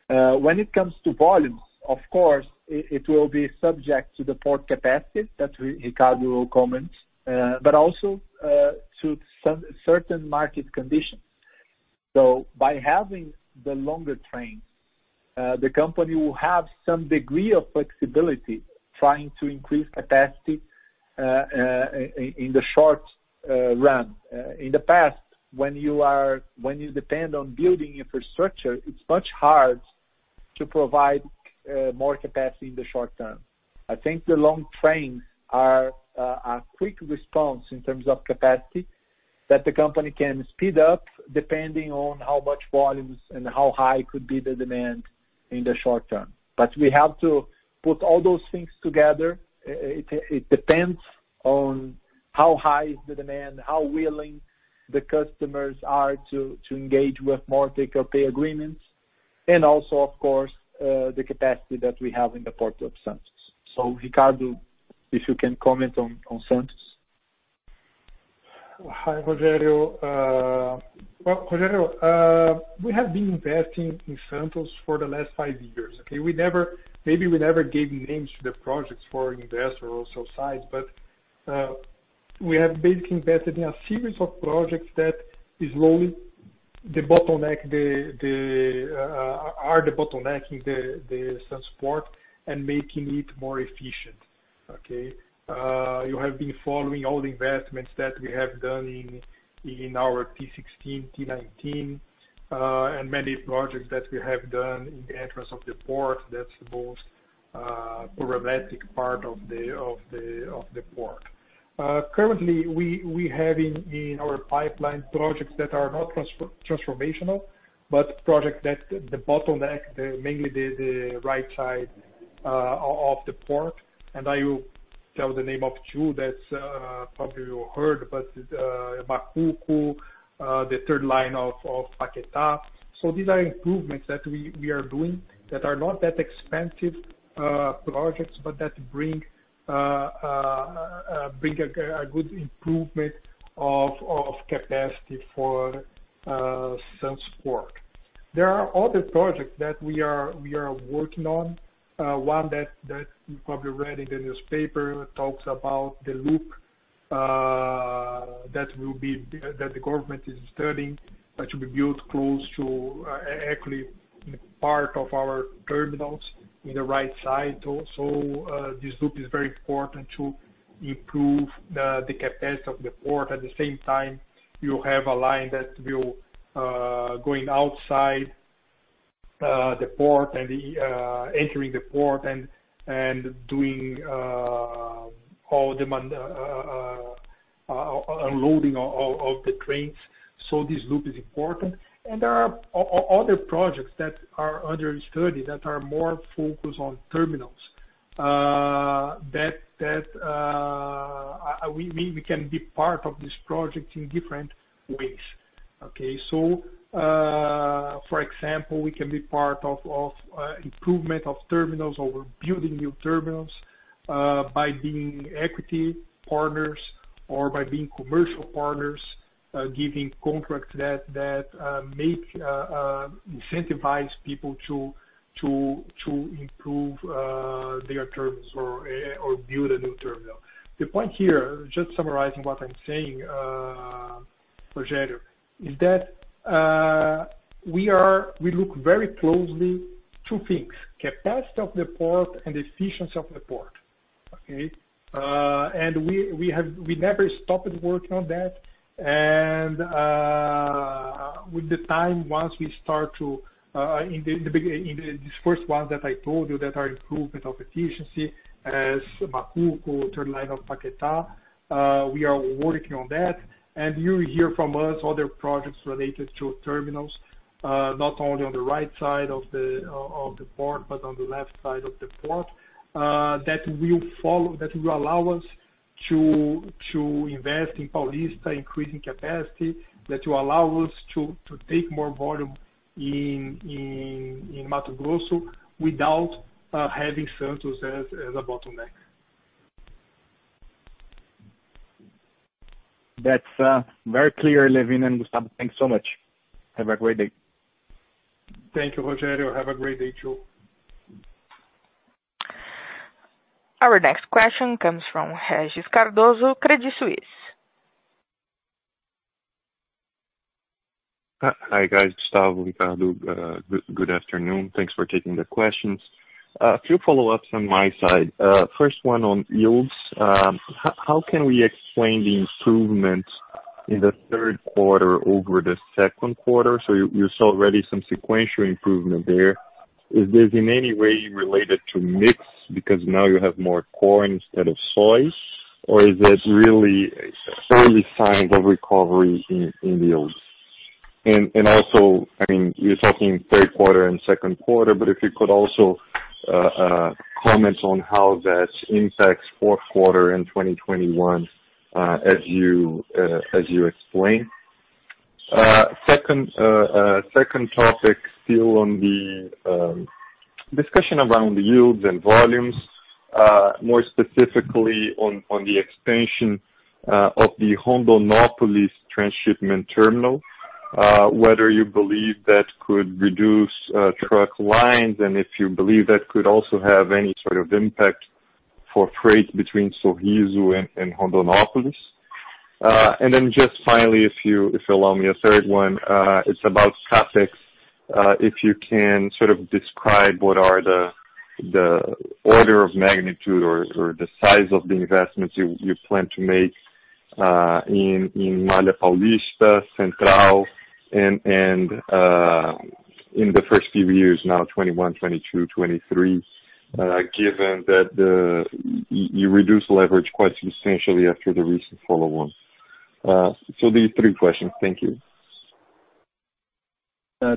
Speaker 5: When it comes to volumes, of course, it will be subject to the port capacity that Ricardo will comment, but also to certain market conditions. By having the longer trains, the company will have some degree of flexibility trying to increase capacity in the short run. In the past, when you depend on building infrastructure, it's much hard to provide more capacity in the short-term. I think the long trains are a quick response in terms of capacity that the company can speed up depending on how much volumes and how high could be the demand in the short-term. We have to put all those things together. It depends on how high is the demand, how willing the customers are to engage with more take-or-pay agreements, and also, of course, the capacity that we have in the Port of Santos. Ricardo, if you can comment on Santos.
Speaker 2: Hi, Rogério. Well, Rogério, we have been investing in Santos for the last five years, okay? Maybe we never gave names to the projects for investors or sides, but we have basically invested in a series of projects that are debottlenecking the Santos port and making it more efficient. Okay? You have been following all the investments that we have done in our T-16, T-19, and many projects that we have done in the entrance of the port. That's the most problematic part of the port. Currently, we have in our pipeline projects that are not transformational, but projects that debottleneck, mainly the right side of the port. I will tell the name of two that probably you heard, but Macuco, the third line of Paquetá. These are improvements that we are doing that are not that expensive projects, but that bring a good improvement of capacity for Santos port. There are other projects that we are working on. One that you probably read in the newspaper, talks about the loop that the government is studying to be built close to, actually, part of our terminals in the right side. This loop is very important to improve the capacity of the port. At the same time, you have a line that will, going outside the port and entering the port and doing all the unloading of the trains. This loop is important. There are other projects that are under study that are more focused on terminals. We can be part of this project in different ways. Okay? For example, we can be part of improvement of terminals or building new terminals, by being equity partners or by being commercial partners, giving contracts that incentivize people to improve their terminals or build a new terminal. The point here, just summarizing what I'm saying, Rogério, is that we look very closely two things, capacity of the port and efficiency of the port. Okay. We never stopped working on that. With the time, these first ones that I told you that are improvement of efficiency as Macuco, Third Line of Paquetá, we are working on that. You will hear from us other projects related to terminals, not only on the right side of the port, but on the left side of the port, that will allow us to invest in Paulista, increasing capacity, that will allow us to take more volume in Mato Grosso without having Santos as a bottleneck.
Speaker 7: That's very clear, Lewin and Gustavo. Thanks so much. Have a great day.
Speaker 2: Thank you, Rogério. Have a great day, too.
Speaker 1: Our next question comes from Regis Cardoso, Credit Suisse.
Speaker 8: Hi, guys. Gustavo, Ricardo, good afternoon. Thanks for taking the questions. A few follow-ups on my side. First one on yields. How can we explain the improvement in the third quarter over the second quarter? You saw already some sequential improvement there. Is this in any way related to mix because now you have more corn instead of soy? Is this really early signs of recovery in yields? You're talking third quarter and second quarter, but if you could also comment on how that impacts fourth quarter and 2021, as you explain. Second topic, still on the discussion around yields and volumes, more specifically on the expansion of the Rondonópolis transshipment terminal, whether you believe that could reduce truck lines, and if you believe that could also have any sort of impact for freight between Sorriso and Rondonópolis. Then just finally, if you allow me a third one, it's about CapEx. If you can sort of describe what are the order of magnitude or the size of the investments you plan to make in Malha Paulista, Central, and in the first few years now 2021, 2022, 2023, given that you reduced leverage quite substantially after the recent follow-on. These three questions. Thank you.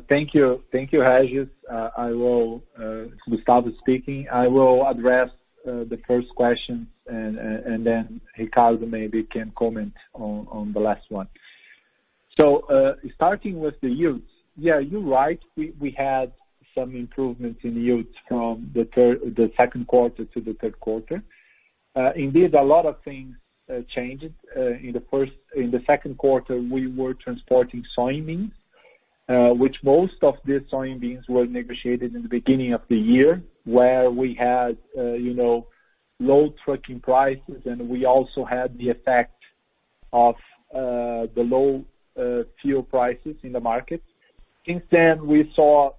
Speaker 5: Thank you, Regis. Gustavo speaking. I will address the first question, and then Ricardo maybe can comment on the last one. Starting with the yields. Yeah, you're right. We had some improvements in yields from the second quarter to the third quarter. Indeed, a lot of things changed. In the second quarter, we were transporting soybeans, which most of these soybeans were negotiated in the beginning of the year where we had low trucking prices, and we also had the effect of the low fuel prices in the market. Since then, we saw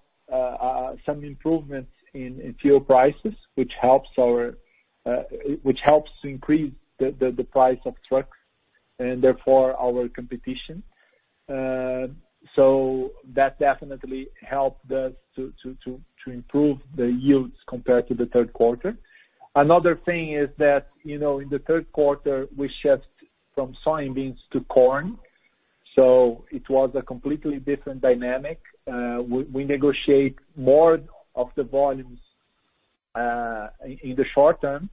Speaker 5: some improvements in fuel prices, which helps increase the price of trucks and therefore our competition. That definitely helped us to improve the yields compared to the third quarter. Another thing is that, in the third quarter, we shifted from soybeans to corn. It was a completely different dynamic. We negotiate more of the volumes in the short term,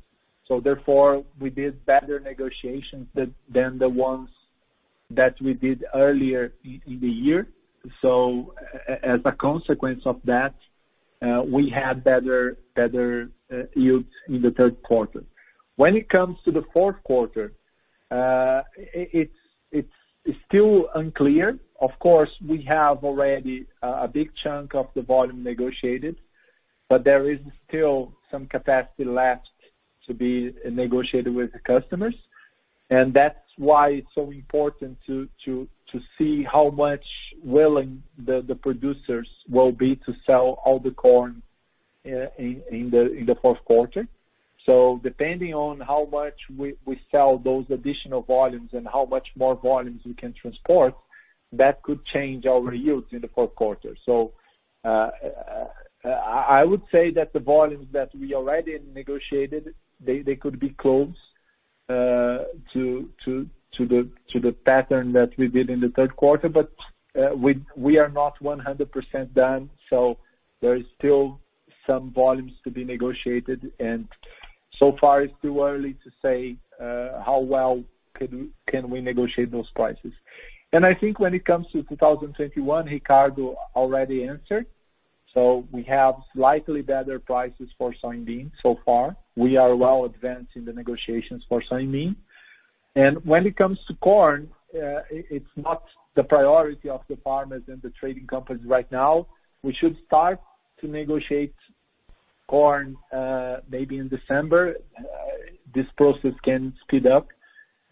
Speaker 5: therefore, we did better negotiations than the ones that we did earlier in the year. As a consequence of that, we had better yields in the third quarter. When it comes to the fourth quarter. It's still unclear. Of course, we have already a big chunk of the volume negotiated, there is still some capacity left to be negotiated with the customers. That's why it's so important to see how much willing the producers will be to sell all the corn in the fourth quarter. Depending on how much we sell those additional volumes and how much more volumes we can transport, that could change our yields in the fourth quarter. I would say that the volumes that we already negotiated, they could be close to the pattern that we did in the third quarter. We are not 100% done, so there is still some volumes to be negotiated, and so far, it's too early to say how well can we negotiate those prices. I think when it comes to 2021, Ricardo already answered. We have slightly better prices for soybean so far. We are well advanced in the negotiations for soybean. When it comes to corn, it's not the priority of the farmers and the trading companies right now. We should start to negotiate corn, maybe in December. This process can speed up.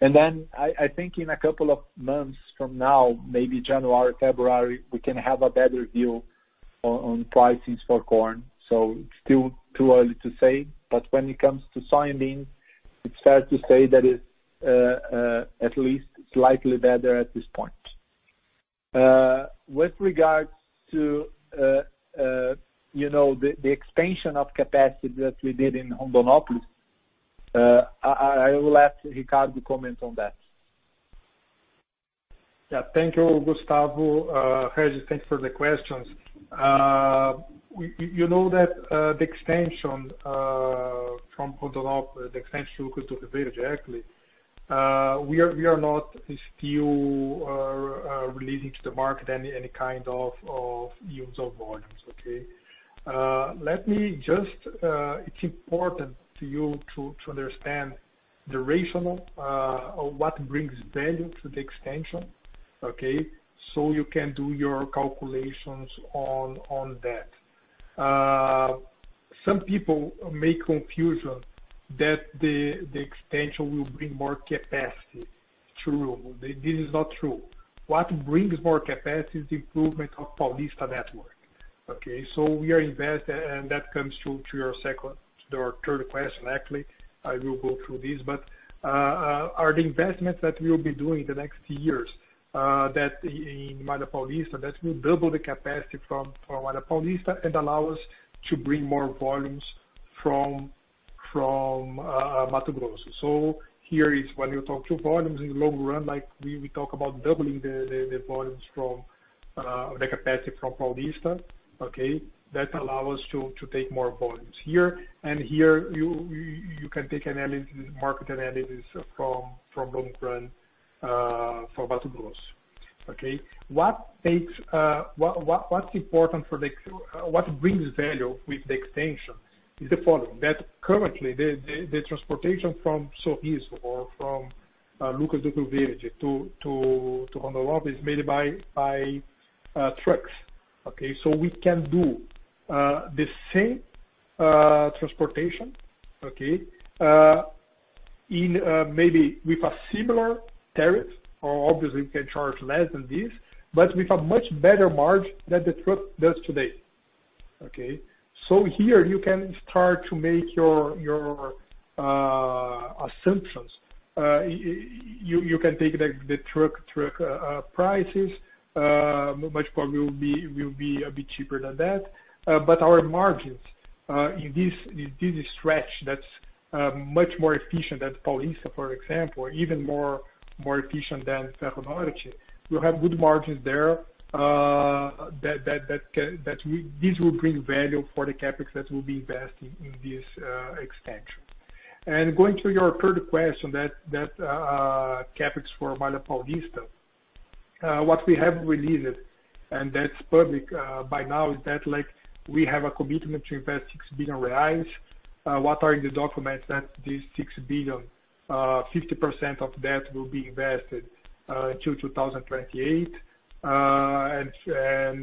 Speaker 5: I think in a couple of months from now, maybe January, February, we can have a better view on pricing for corn. It's still too early to say, but when it comes to soybeans, it's fair to say that it's at least slightly better at this point. With regards to the expansion of capacity that we did in Rondonópolis, I will ask Ricardo to comment on that.
Speaker 2: Yeah. Thank you, Gustavo. Regis, thanks for the questions. You know that, the extension from Rondonópolis, the extension to Lucas do Rio Verde, actually, we are not still releasing to the market any kind of yields or volumes, okay? It's important to you to understand the rationale, or what brings value to the extension, okay? You can do your calculations on that. Some people make confusion that the extension will bring more capacity. This is not true. What brings more capacity is the improvement of Malha Paulista, okay? That comes to your third question, actually. I will go through this, but are the investments that we'll be doing in the next years, that in Malha Paulista, that will double the capacity for Malha Paulista and allow us to bring more volumes from Mato Grosso. Here is when you talk through volumes in long run, like we talk about doubling the capacity from Paulista, okay. That allow us to take more volumes here, and here, you can take market analysis from long run, for Mato Grosso. Okay. What brings value with the extension is the following, that currently, the transportation from Sorriso or from Lucas do Rio Verde to Rondonópolis is made by trucks, okay. We can do the same transportation, okay, maybe with a similar tariff, or obviously we can charge less than this, but with a much better margin than the truck does today, okay. Here you can start to make your assumptions. You can take the truck prices, much probably will be a bit cheaper than that. Our margins, in this stretch, that's much more efficient than Paulista, for example, even more efficient than Ferronorte. We'll have good margins there. This will bring value for the CapEx that will be invested in this extension. Going to your third question, that CapEx for Malha Paulista. What we have released, and that's public by now, is that we have a commitment to invest 6 billion reais. What are in the documents that this 6 billion, 50% of that will be invested, to 2028. 50%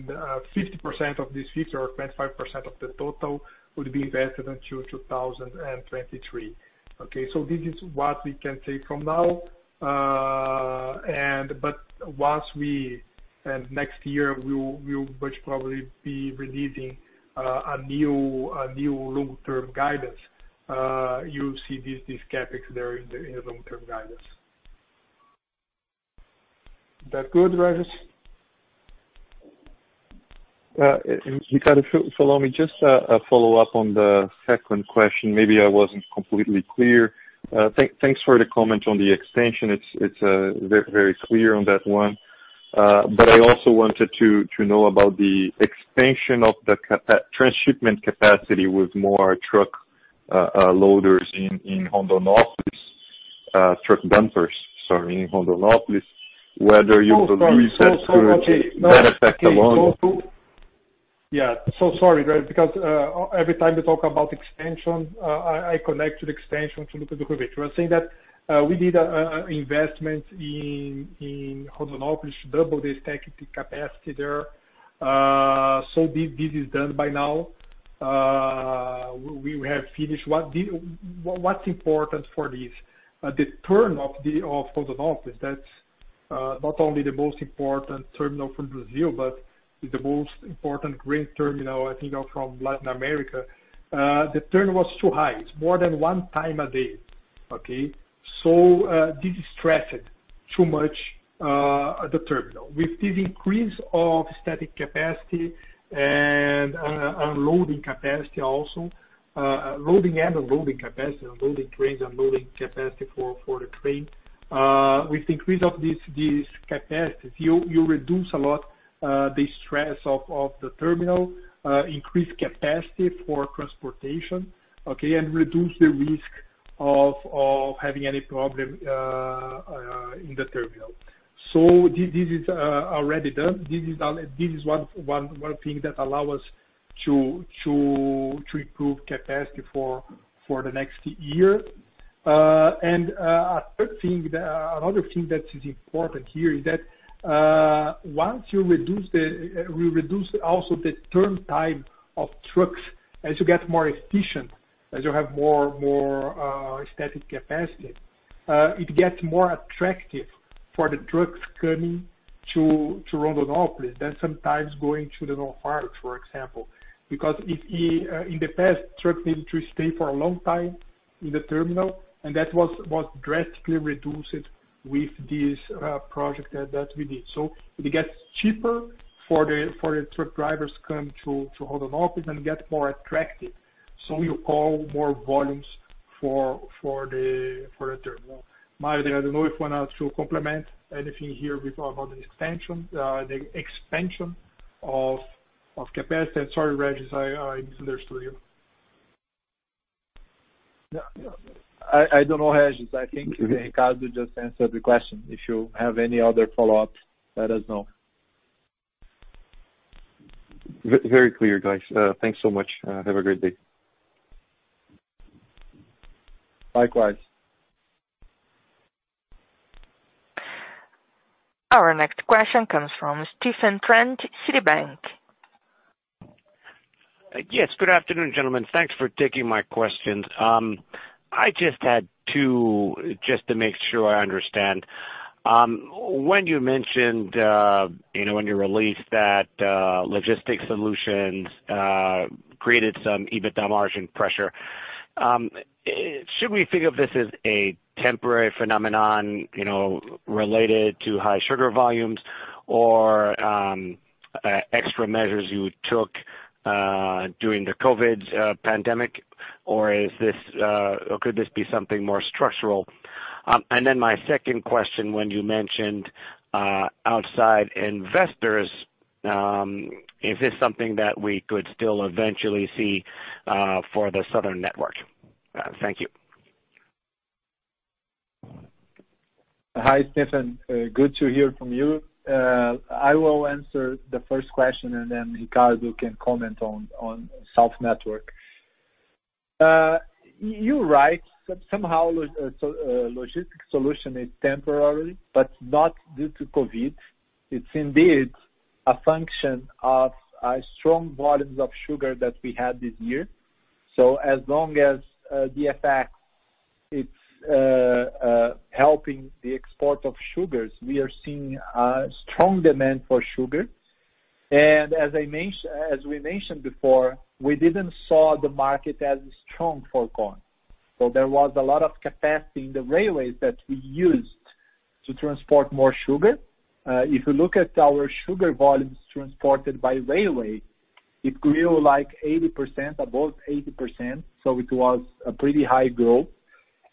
Speaker 2: of this 50%, or 25% of the total, will be invested until 2023, okay? This is what we can say from now. Once we next year, we'll much probably be releasing a new long-term guidance. You'll see this CapEx there in the long-term guidance. That good, Regis?
Speaker 8: Ricardo, follow me. Just a follow-up on the second question. Maybe I wasn't completely clear. Thanks for the comment on the extension. It's very clear on that one. I also wanted to know about the expansion of the transshipment capacity with more truck loaders in Rondonópolis. Truck dumpers, sorry, in Rondonópolis, whether you believe that could benefit.
Speaker 2: Yeah. Sorry, Reg, because every time you talk about expansion, I connect expansion to COVID-19. We are saying that we did an investment in Rondonópolis, double the static capacity there. This is done by now. We have finished. What's important for this, the turn of Rondonópolis, that's not only the most important terminal for Brazil, but the most important grain terminal, I think from Latin America. The turn was too high. It's more than one time a day. Okay? This stressed too much the terminal. With this increase of static capacity and unloading capacity also, loading and unloading capacity, unloading grains, unloading capacity for the train. With the increase of this capacity, you reduce a lot the stress of the terminal, increase capacity for transportation, okay? Reduce the risk of having any problem in the terminal. This is already done. This is one thing that allow us to improve capacity for the next year. A third thing, another thing that is important here is that once you reduce also the turn time of trucks, as you get more efficient, as you have more static capacity, it gets more attractive for the trucks coming to Rondonópolis than sometimes going to the Northern Arc, for example. In the past, trucks needed to stay for a long time in the terminal, and that was drastically reduced with this project that we did. It gets cheaper for the truck drivers to come to Rondonópolis and get more attractive. You call more volumes for the terminal. Mario, I don't know if you want to complement anything here before about the expansion of capacity. Sorry, Regis, I misunderstood you.
Speaker 5: I don't know, Regis. I think Ricardo just answered the question. If you have any other follow-ups, let us know.
Speaker 8: Very clear, guys. Thanks so much. Have a great day.
Speaker 2: Likewise.
Speaker 1: Our next question comes from Stephen Trent, Citibank.
Speaker 9: Yes. Good afternoon, gentlemen. Thanks for taking my questions. I just had two, just to make sure I understand. When you mentioned, in your release that logistics solutions created some EBITDA margin pressure, should we think of this as a temporary phenomenon related to high sugar volumes or extra measures you took during the COVID pandemic, or could this be something more structural? My second question, when you mentioned outside investors, is this something that we could still eventually see for the southern network? Thank you.
Speaker 5: Hi, Stephen. Good to hear from you. I will answer the first question, and then Ricardo can comment on South network. You're right. Somehow, logistics solution is temporary, but not due to COVID. It's indeed a function of a strong volumes of sugar that we had this year. As long as the effect, it's helping the export of sugars. We are seeing a strong demand for sugar. As we mentioned before, we didn't see the market as strong for corn. There was a lot of capacity in the railways that we used to transport more sugar. If you look at our sugar volumes transported by railway, it grew like 80%, above 80%, it was a pretty high growth.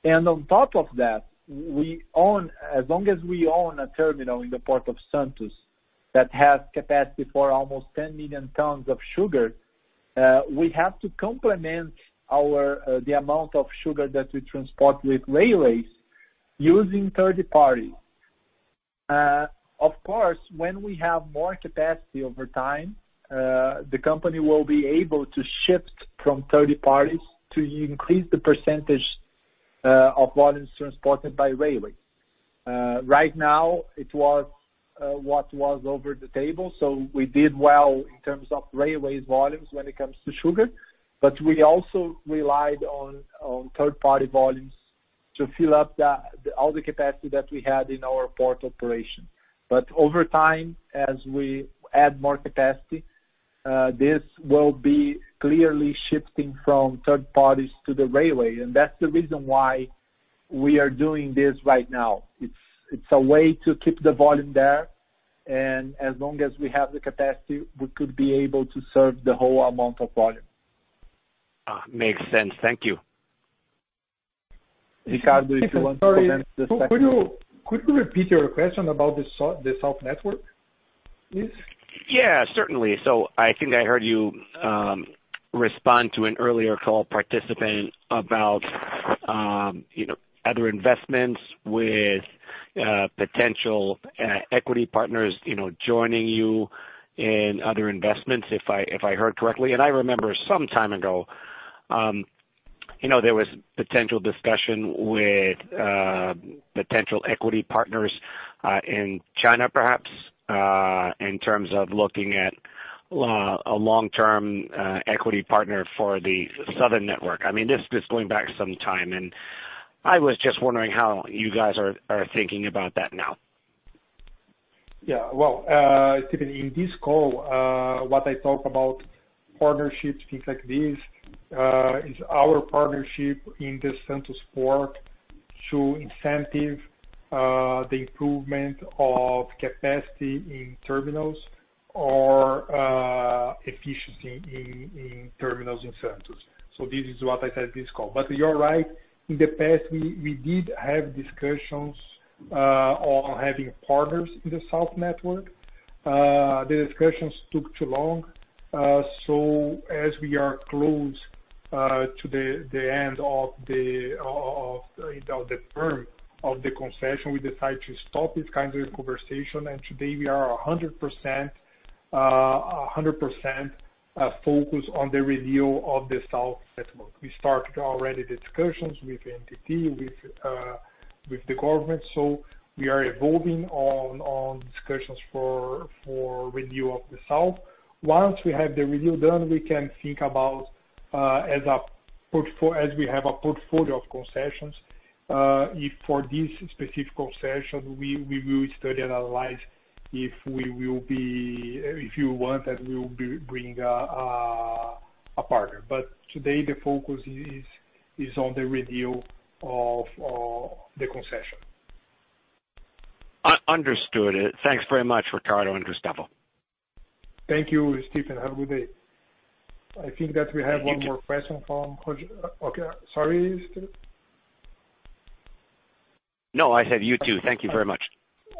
Speaker 5: On top of that, as long as we own a terminal in the Port of Santos that has capacity for almost 10 million tons of sugar, we have to complement the amount of sugar that we transport with railways using third parties. Of course, when we have more capacity over time, the company will be able to shift from third parties to increase the percentage of volumes transported by railway. Right now, it was what was over the table. We did well in terms of railway volumes when it comes to sugar, but we also relied on third-party volumes to fill up all the capacity that we had in our port operation. Over time, as we add more capacity, this will be clearly shifting from third parties to the railway. That's the reason why we are doing this right now. It's a way to keep the volume there. As long as we have the capacity, we could be able to serve the whole amount of volume.
Speaker 9: Makes sense. Thank you.
Speaker 5: Ricardo, if you want to comment.
Speaker 2: Could you repeat your question about the South network, please?
Speaker 9: Yeah, certainly. I think I heard you respond to an earlier call participant about other investments with potential equity partners joining you in other investments, if I heard correctly. I remember some time ago, there was potential discussion with potential equity partners in China, perhaps, in terms of looking at a long-term equity partner for the southern network. This is going back some time, and I was just wondering how you guys are thinking about that now.
Speaker 2: Well, Stephen, in this call, what I talk about partnerships, things like this, is our partnership in the Santos port to incentive the improvement of capacity in terminals or efficiency in terminals in Santos. This is what I said in this call. You're right. In the past, we did have discussions on having partners in the South network. The discussions took too long. As we are close to the end of the term of the concession, we decide to stop this kind of conversation, and today we are 100% focused on the review of the South network. We started already the discussions with ANTT, with the government. We are evolving on discussions for review of the south. Once we have the review done, we can think about as we have a portfolio of concessions, if for this specific concession, we will study, analyze, if you want, that we will be bring a partner. Today the focus is on the review of the concession.
Speaker 9: Understood. Thanks very much, Ricardo and Gustavo.
Speaker 2: Thank you, Stephen. Have a good day. I think that we have one more question from Rogér. Okay. Sorry, Stephen?
Speaker 9: No, I said you two. Thank you very much.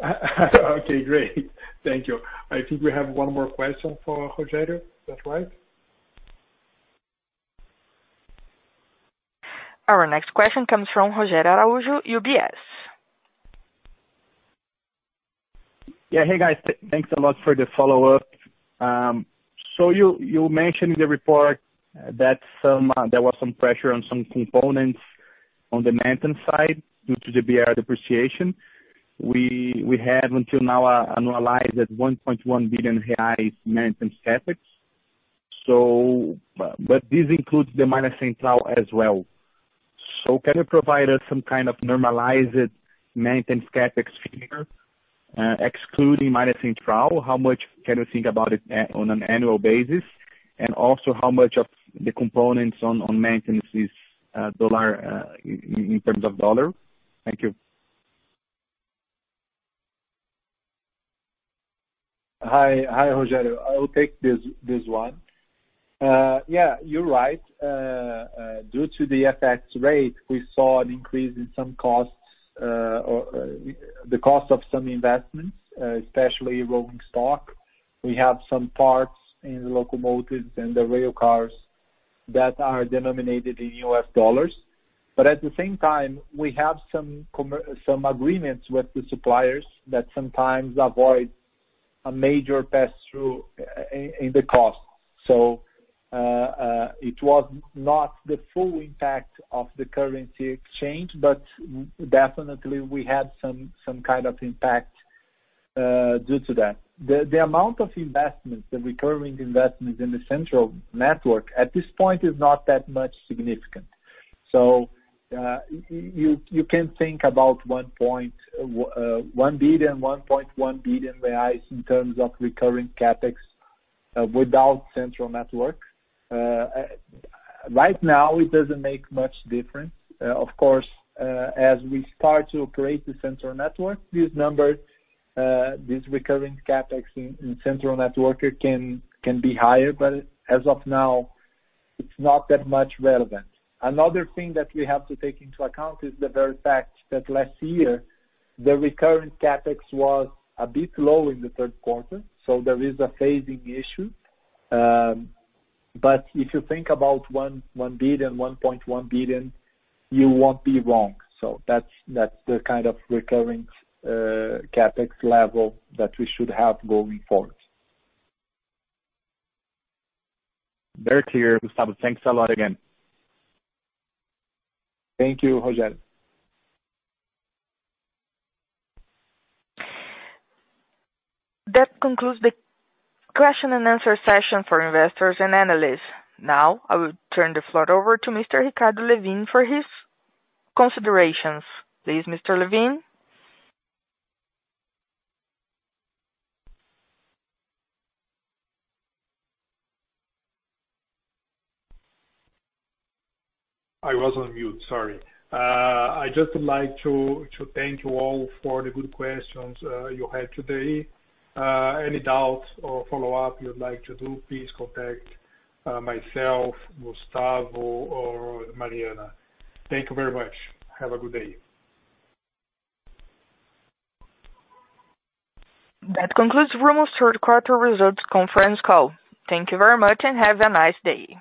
Speaker 2: Okay, great. Thank you. I think we have one more question from Rogério. Is that right?
Speaker 1: Our next question comes from Rogério Araújo, UBS.
Speaker 7: Yeah. Hey, guys. Thanks a lot for the follow-up. You mentioned in the report that there was some pressure on some components on the maintenance side due to the BRL depreciation. We have until now analyzed at 1.1 billion reais maintenance CapEx. This includes the Malha Central as well. Can you provide us some kind of normalized maintenance CapEx figure, excluding Malha Central? How much can we think about it on an annual basis, and also how much of the components on maintenance is in terms of dollar? Thank you.
Speaker 5: Hi, Rogério. I will take this one. Yeah, you're right. Due to the FX rate, we saw an increase in some costs, or the cost of some investments, especially rolling stock. We have some parts in the locomotives and the rail cars that are denominated in US dollars. At the same time, we have some agreements with the suppliers that sometimes avoid a major pass-through in the cost. It was not the full impact of the currency exchange, but definitely we had some kind of impact due to that. The amount of investments, the recurring investments in the Central network at this point is not that much significant. You can think about 1 billion, 1.1 billion reais in terms of recurring CapEx without Central network. Right now, it doesn't make much difference. Of course, as we start to operate the Central network, these numbers, these recurring CapEx in Central network can be higher, but as of now, it's not that much relevant. Another thing that we have to take into account is the very fact that last year, the recurring CapEx was a bit low in the third quarter, so there is a phasing issue. If you think about 1 billion, 1.1 billion, you won't be wrong. That's the kind of recurring CapEx level that we should have going forward.
Speaker 7: Very clear, Gustavo. Thanks a lot again.
Speaker 5: Thank you, Rogério.
Speaker 1: That concludes the question-and-answer session for investors and analysts. Now, I will turn the floor over to Mr. Ricardo Lewin for his considerations. Please, Mr. Lewin.
Speaker 2: I was on mute, sorry. I just would like to thank you all for the good questions you had today. Any doubts or follow-up you'd like to do, please contact myself, Gustavo, or Mariana. Thank you very much. Have a good day.
Speaker 1: That concludes Rumo's third quarter results conference call. Thank you very much and have a nice day.